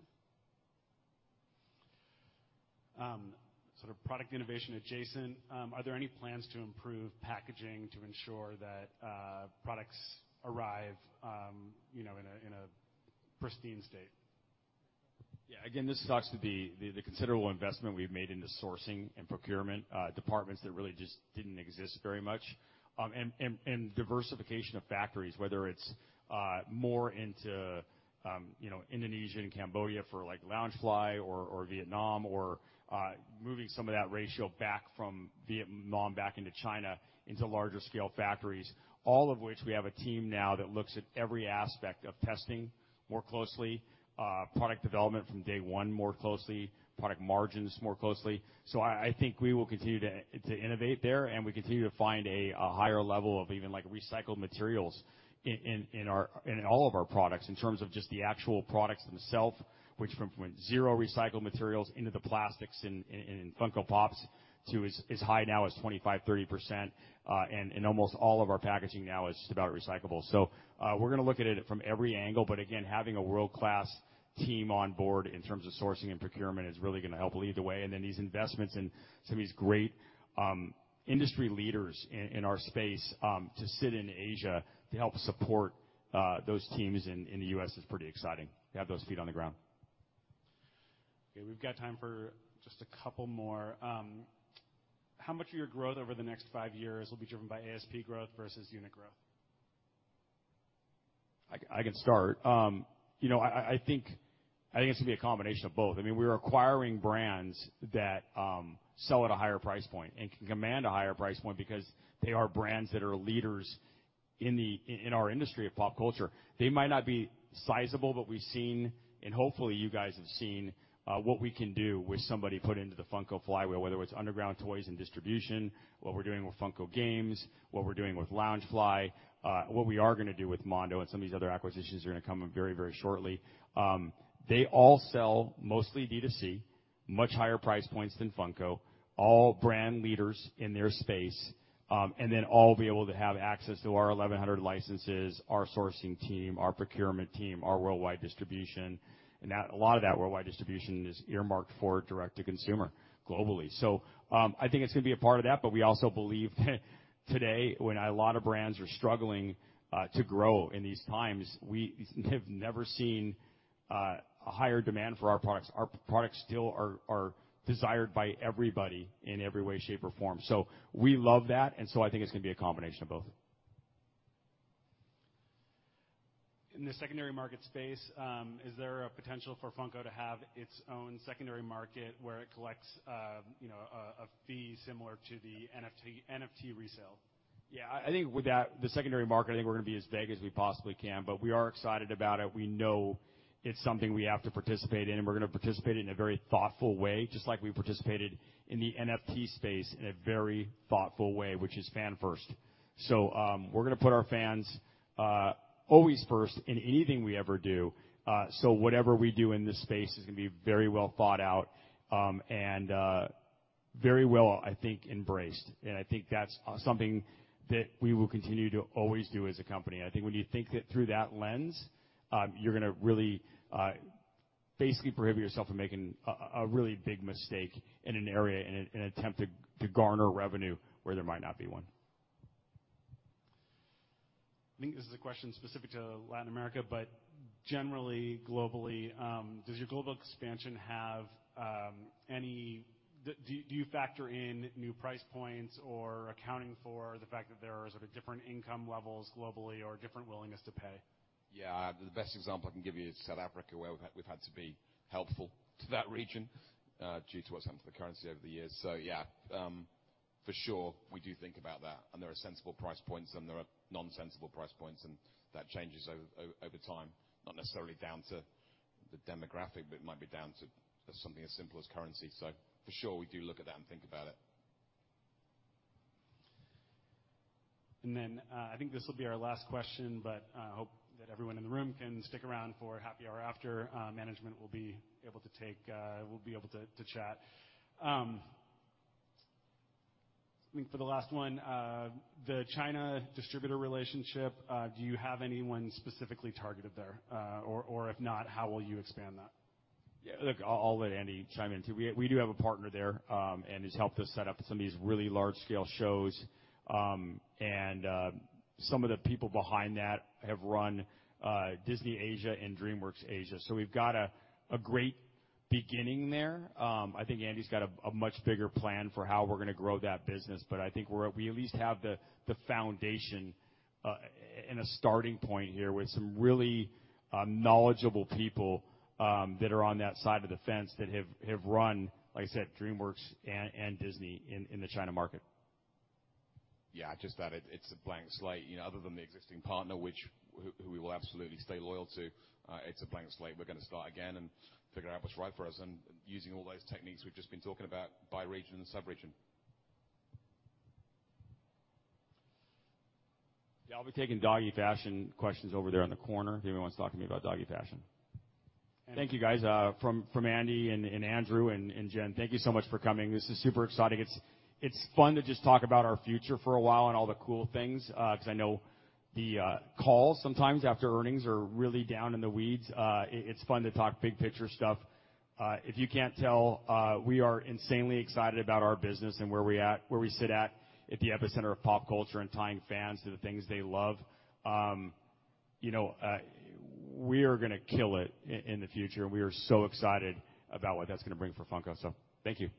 Sort of product innovation adjacent, are there any plans to improve packaging to ensure that products arrive, you know, in a pristine state? Yeah. Again, this talks to the considerable investment we've made into sourcing and procurement departments that really just didn't exist very much. Diversification of factories, whether it's more into you know, Indonesia and Cambodia for, like, Loungefly or Vietnam or moving some of that ratio back from Vietnam back into China into larger scale factories. All of which we have a team now that looks at every aspect of testing more closely, product development from day one more closely, product margins more closely. I think we will continue to innovate there, and we continue to find a higher level of even, like, recycled materials in all of our products in terms of just the actual products themselves, which went from zero recycled materials into the plastics in Funko Pops to as high now as 25%-30%, and in almost all of our packaging now is just about recyclable. We're gonna look at it from every angle, but again, having a world-class team on board in terms of sourcing and procurement is really gonna help lead the way. These investments in some of these great industry leaders in our space to site in Asia to help support those teams in the US is pretty exciting to have those feet on the ground. Okay, we've got time for just a couple more. How much of your growth over the next five years will be driven by ASP growth versus unit growth? I can start. You know, I think it's gonna be a combination of both. I mean, we're acquiring brands that sell at a higher price point and can command a higher price point because they are brands that are leaders in our industry of pop culture. They might not be sizable, but we've seen, and hopefully you guys have seen, what we can do with somebody put into the Funko flywheel, whether it's Underground Toys and distribution, what we're doing with Funko Games, what we're doing with Loungefly, what we are gonna do with Mondo and some of these other acquisitions are gonna come up very, very shortly. They all sell mostly D2C, much higher price points than Funko, all brand leaders in their space, and then all will be able to have access to our 1,100 licenses, our sourcing team, our procurement team, our worldwide distribution. A lot of that worldwide distribution is earmarked for direct-to-consumer globally. I think it's gonna be a part of that, but we also believe that today, when a lot of brands are struggling to grow in these times, we have never seen a higher demand for our products. Our products still are desired by everybody in every way, shape, or form. We love that, and I think it's gonna be a combination of both. In the secondary market space, is there a potential for Funko to have its own secondary market where it collects, you know, a fee similar to the NFT resale? Yeah, I think with that, the secondary market, I think we're gonna be as big as we possibly can, but we are excited about it. We know it's something we have to participate in, and we're gonna participate in a very thoughtful way, just like we participated in the NFT space in a very thoughtful way, which is fan first. We're gonna put our fans always first in anything we ever do. Whatever we do in this space is gonna be very well thought out, and very well, I think, embraced. I think that's something that we will continue to always do as a company. I think when you think it through that lens, you're gonna really basically prohibit yourself from making a really big mistake in an area in an attempt to garner revenue where there might not be one. I think this is a question specific to Latin America, but generally, globally, do you factor in new price points or accounting for the fact that there are sort of different income levels globally or different willingness to pay? Yeah. The best example I can give you is South Africa, where we've had to be helpful to that region due to what's happened to the currency over the years. Yeah, for sure, we do think about that. There are sensible price points, and there are nonsensible price points, and that changes over time. Not necessarily down to the demographic, but it might be down to something as simple as currency. For sure, we do look at that and think about it. I think this will be our last question, but I hope that everyone in the room can stick around for happy hour after. Management will be able to chat. I think for the last one, the China distributor relationship, do you have anyone specifically targeted there? Or if not, how will you expand that? Yeah, look, I'll let Andy chime in, too. We do have a partner there and has helped us set up some of these really large-scale shows. Some of the people behind that have run Disney Asia and DreamWorks Asia. We've got a great beginning there. I think Andy's got a much bigger plan for how we're gonna grow that business. I think we at least have the foundation and a starting point here with some really knowledgeable people that are on that side of the fence that have run, like I said, DreamWorks and Disney in the China market. Yeah, just that it's a blank slate, you know, other than the existing partner, who we will absolutely stay loyal to. It's a blank slate. We're gonna start again and figure out what's right for us and using all those techniques we've just been talking about by region and sub-region. Yeah, I'll be taking doggy fashion questions over there in the corner if anyone wants to talk to me about doggy fashion. Thank you, guys. From Andy and Andrew and Jen, thank you so much for coming. This is super exciting. It's fun to just talk about our future for a while and all the cool things, 'cause I know the calls sometimes after earnings are really down in the weeds. It's fun to talk big picture stuff. If you can't tell, we are insanely excited about our business and where we at, where we sit at the epicenter of pop culture and tying fans to the things they love. You know, we are gonna kill it in the future, and we are so excited about what that's gonna bring for Funko. Thank you. Thanks, everybody.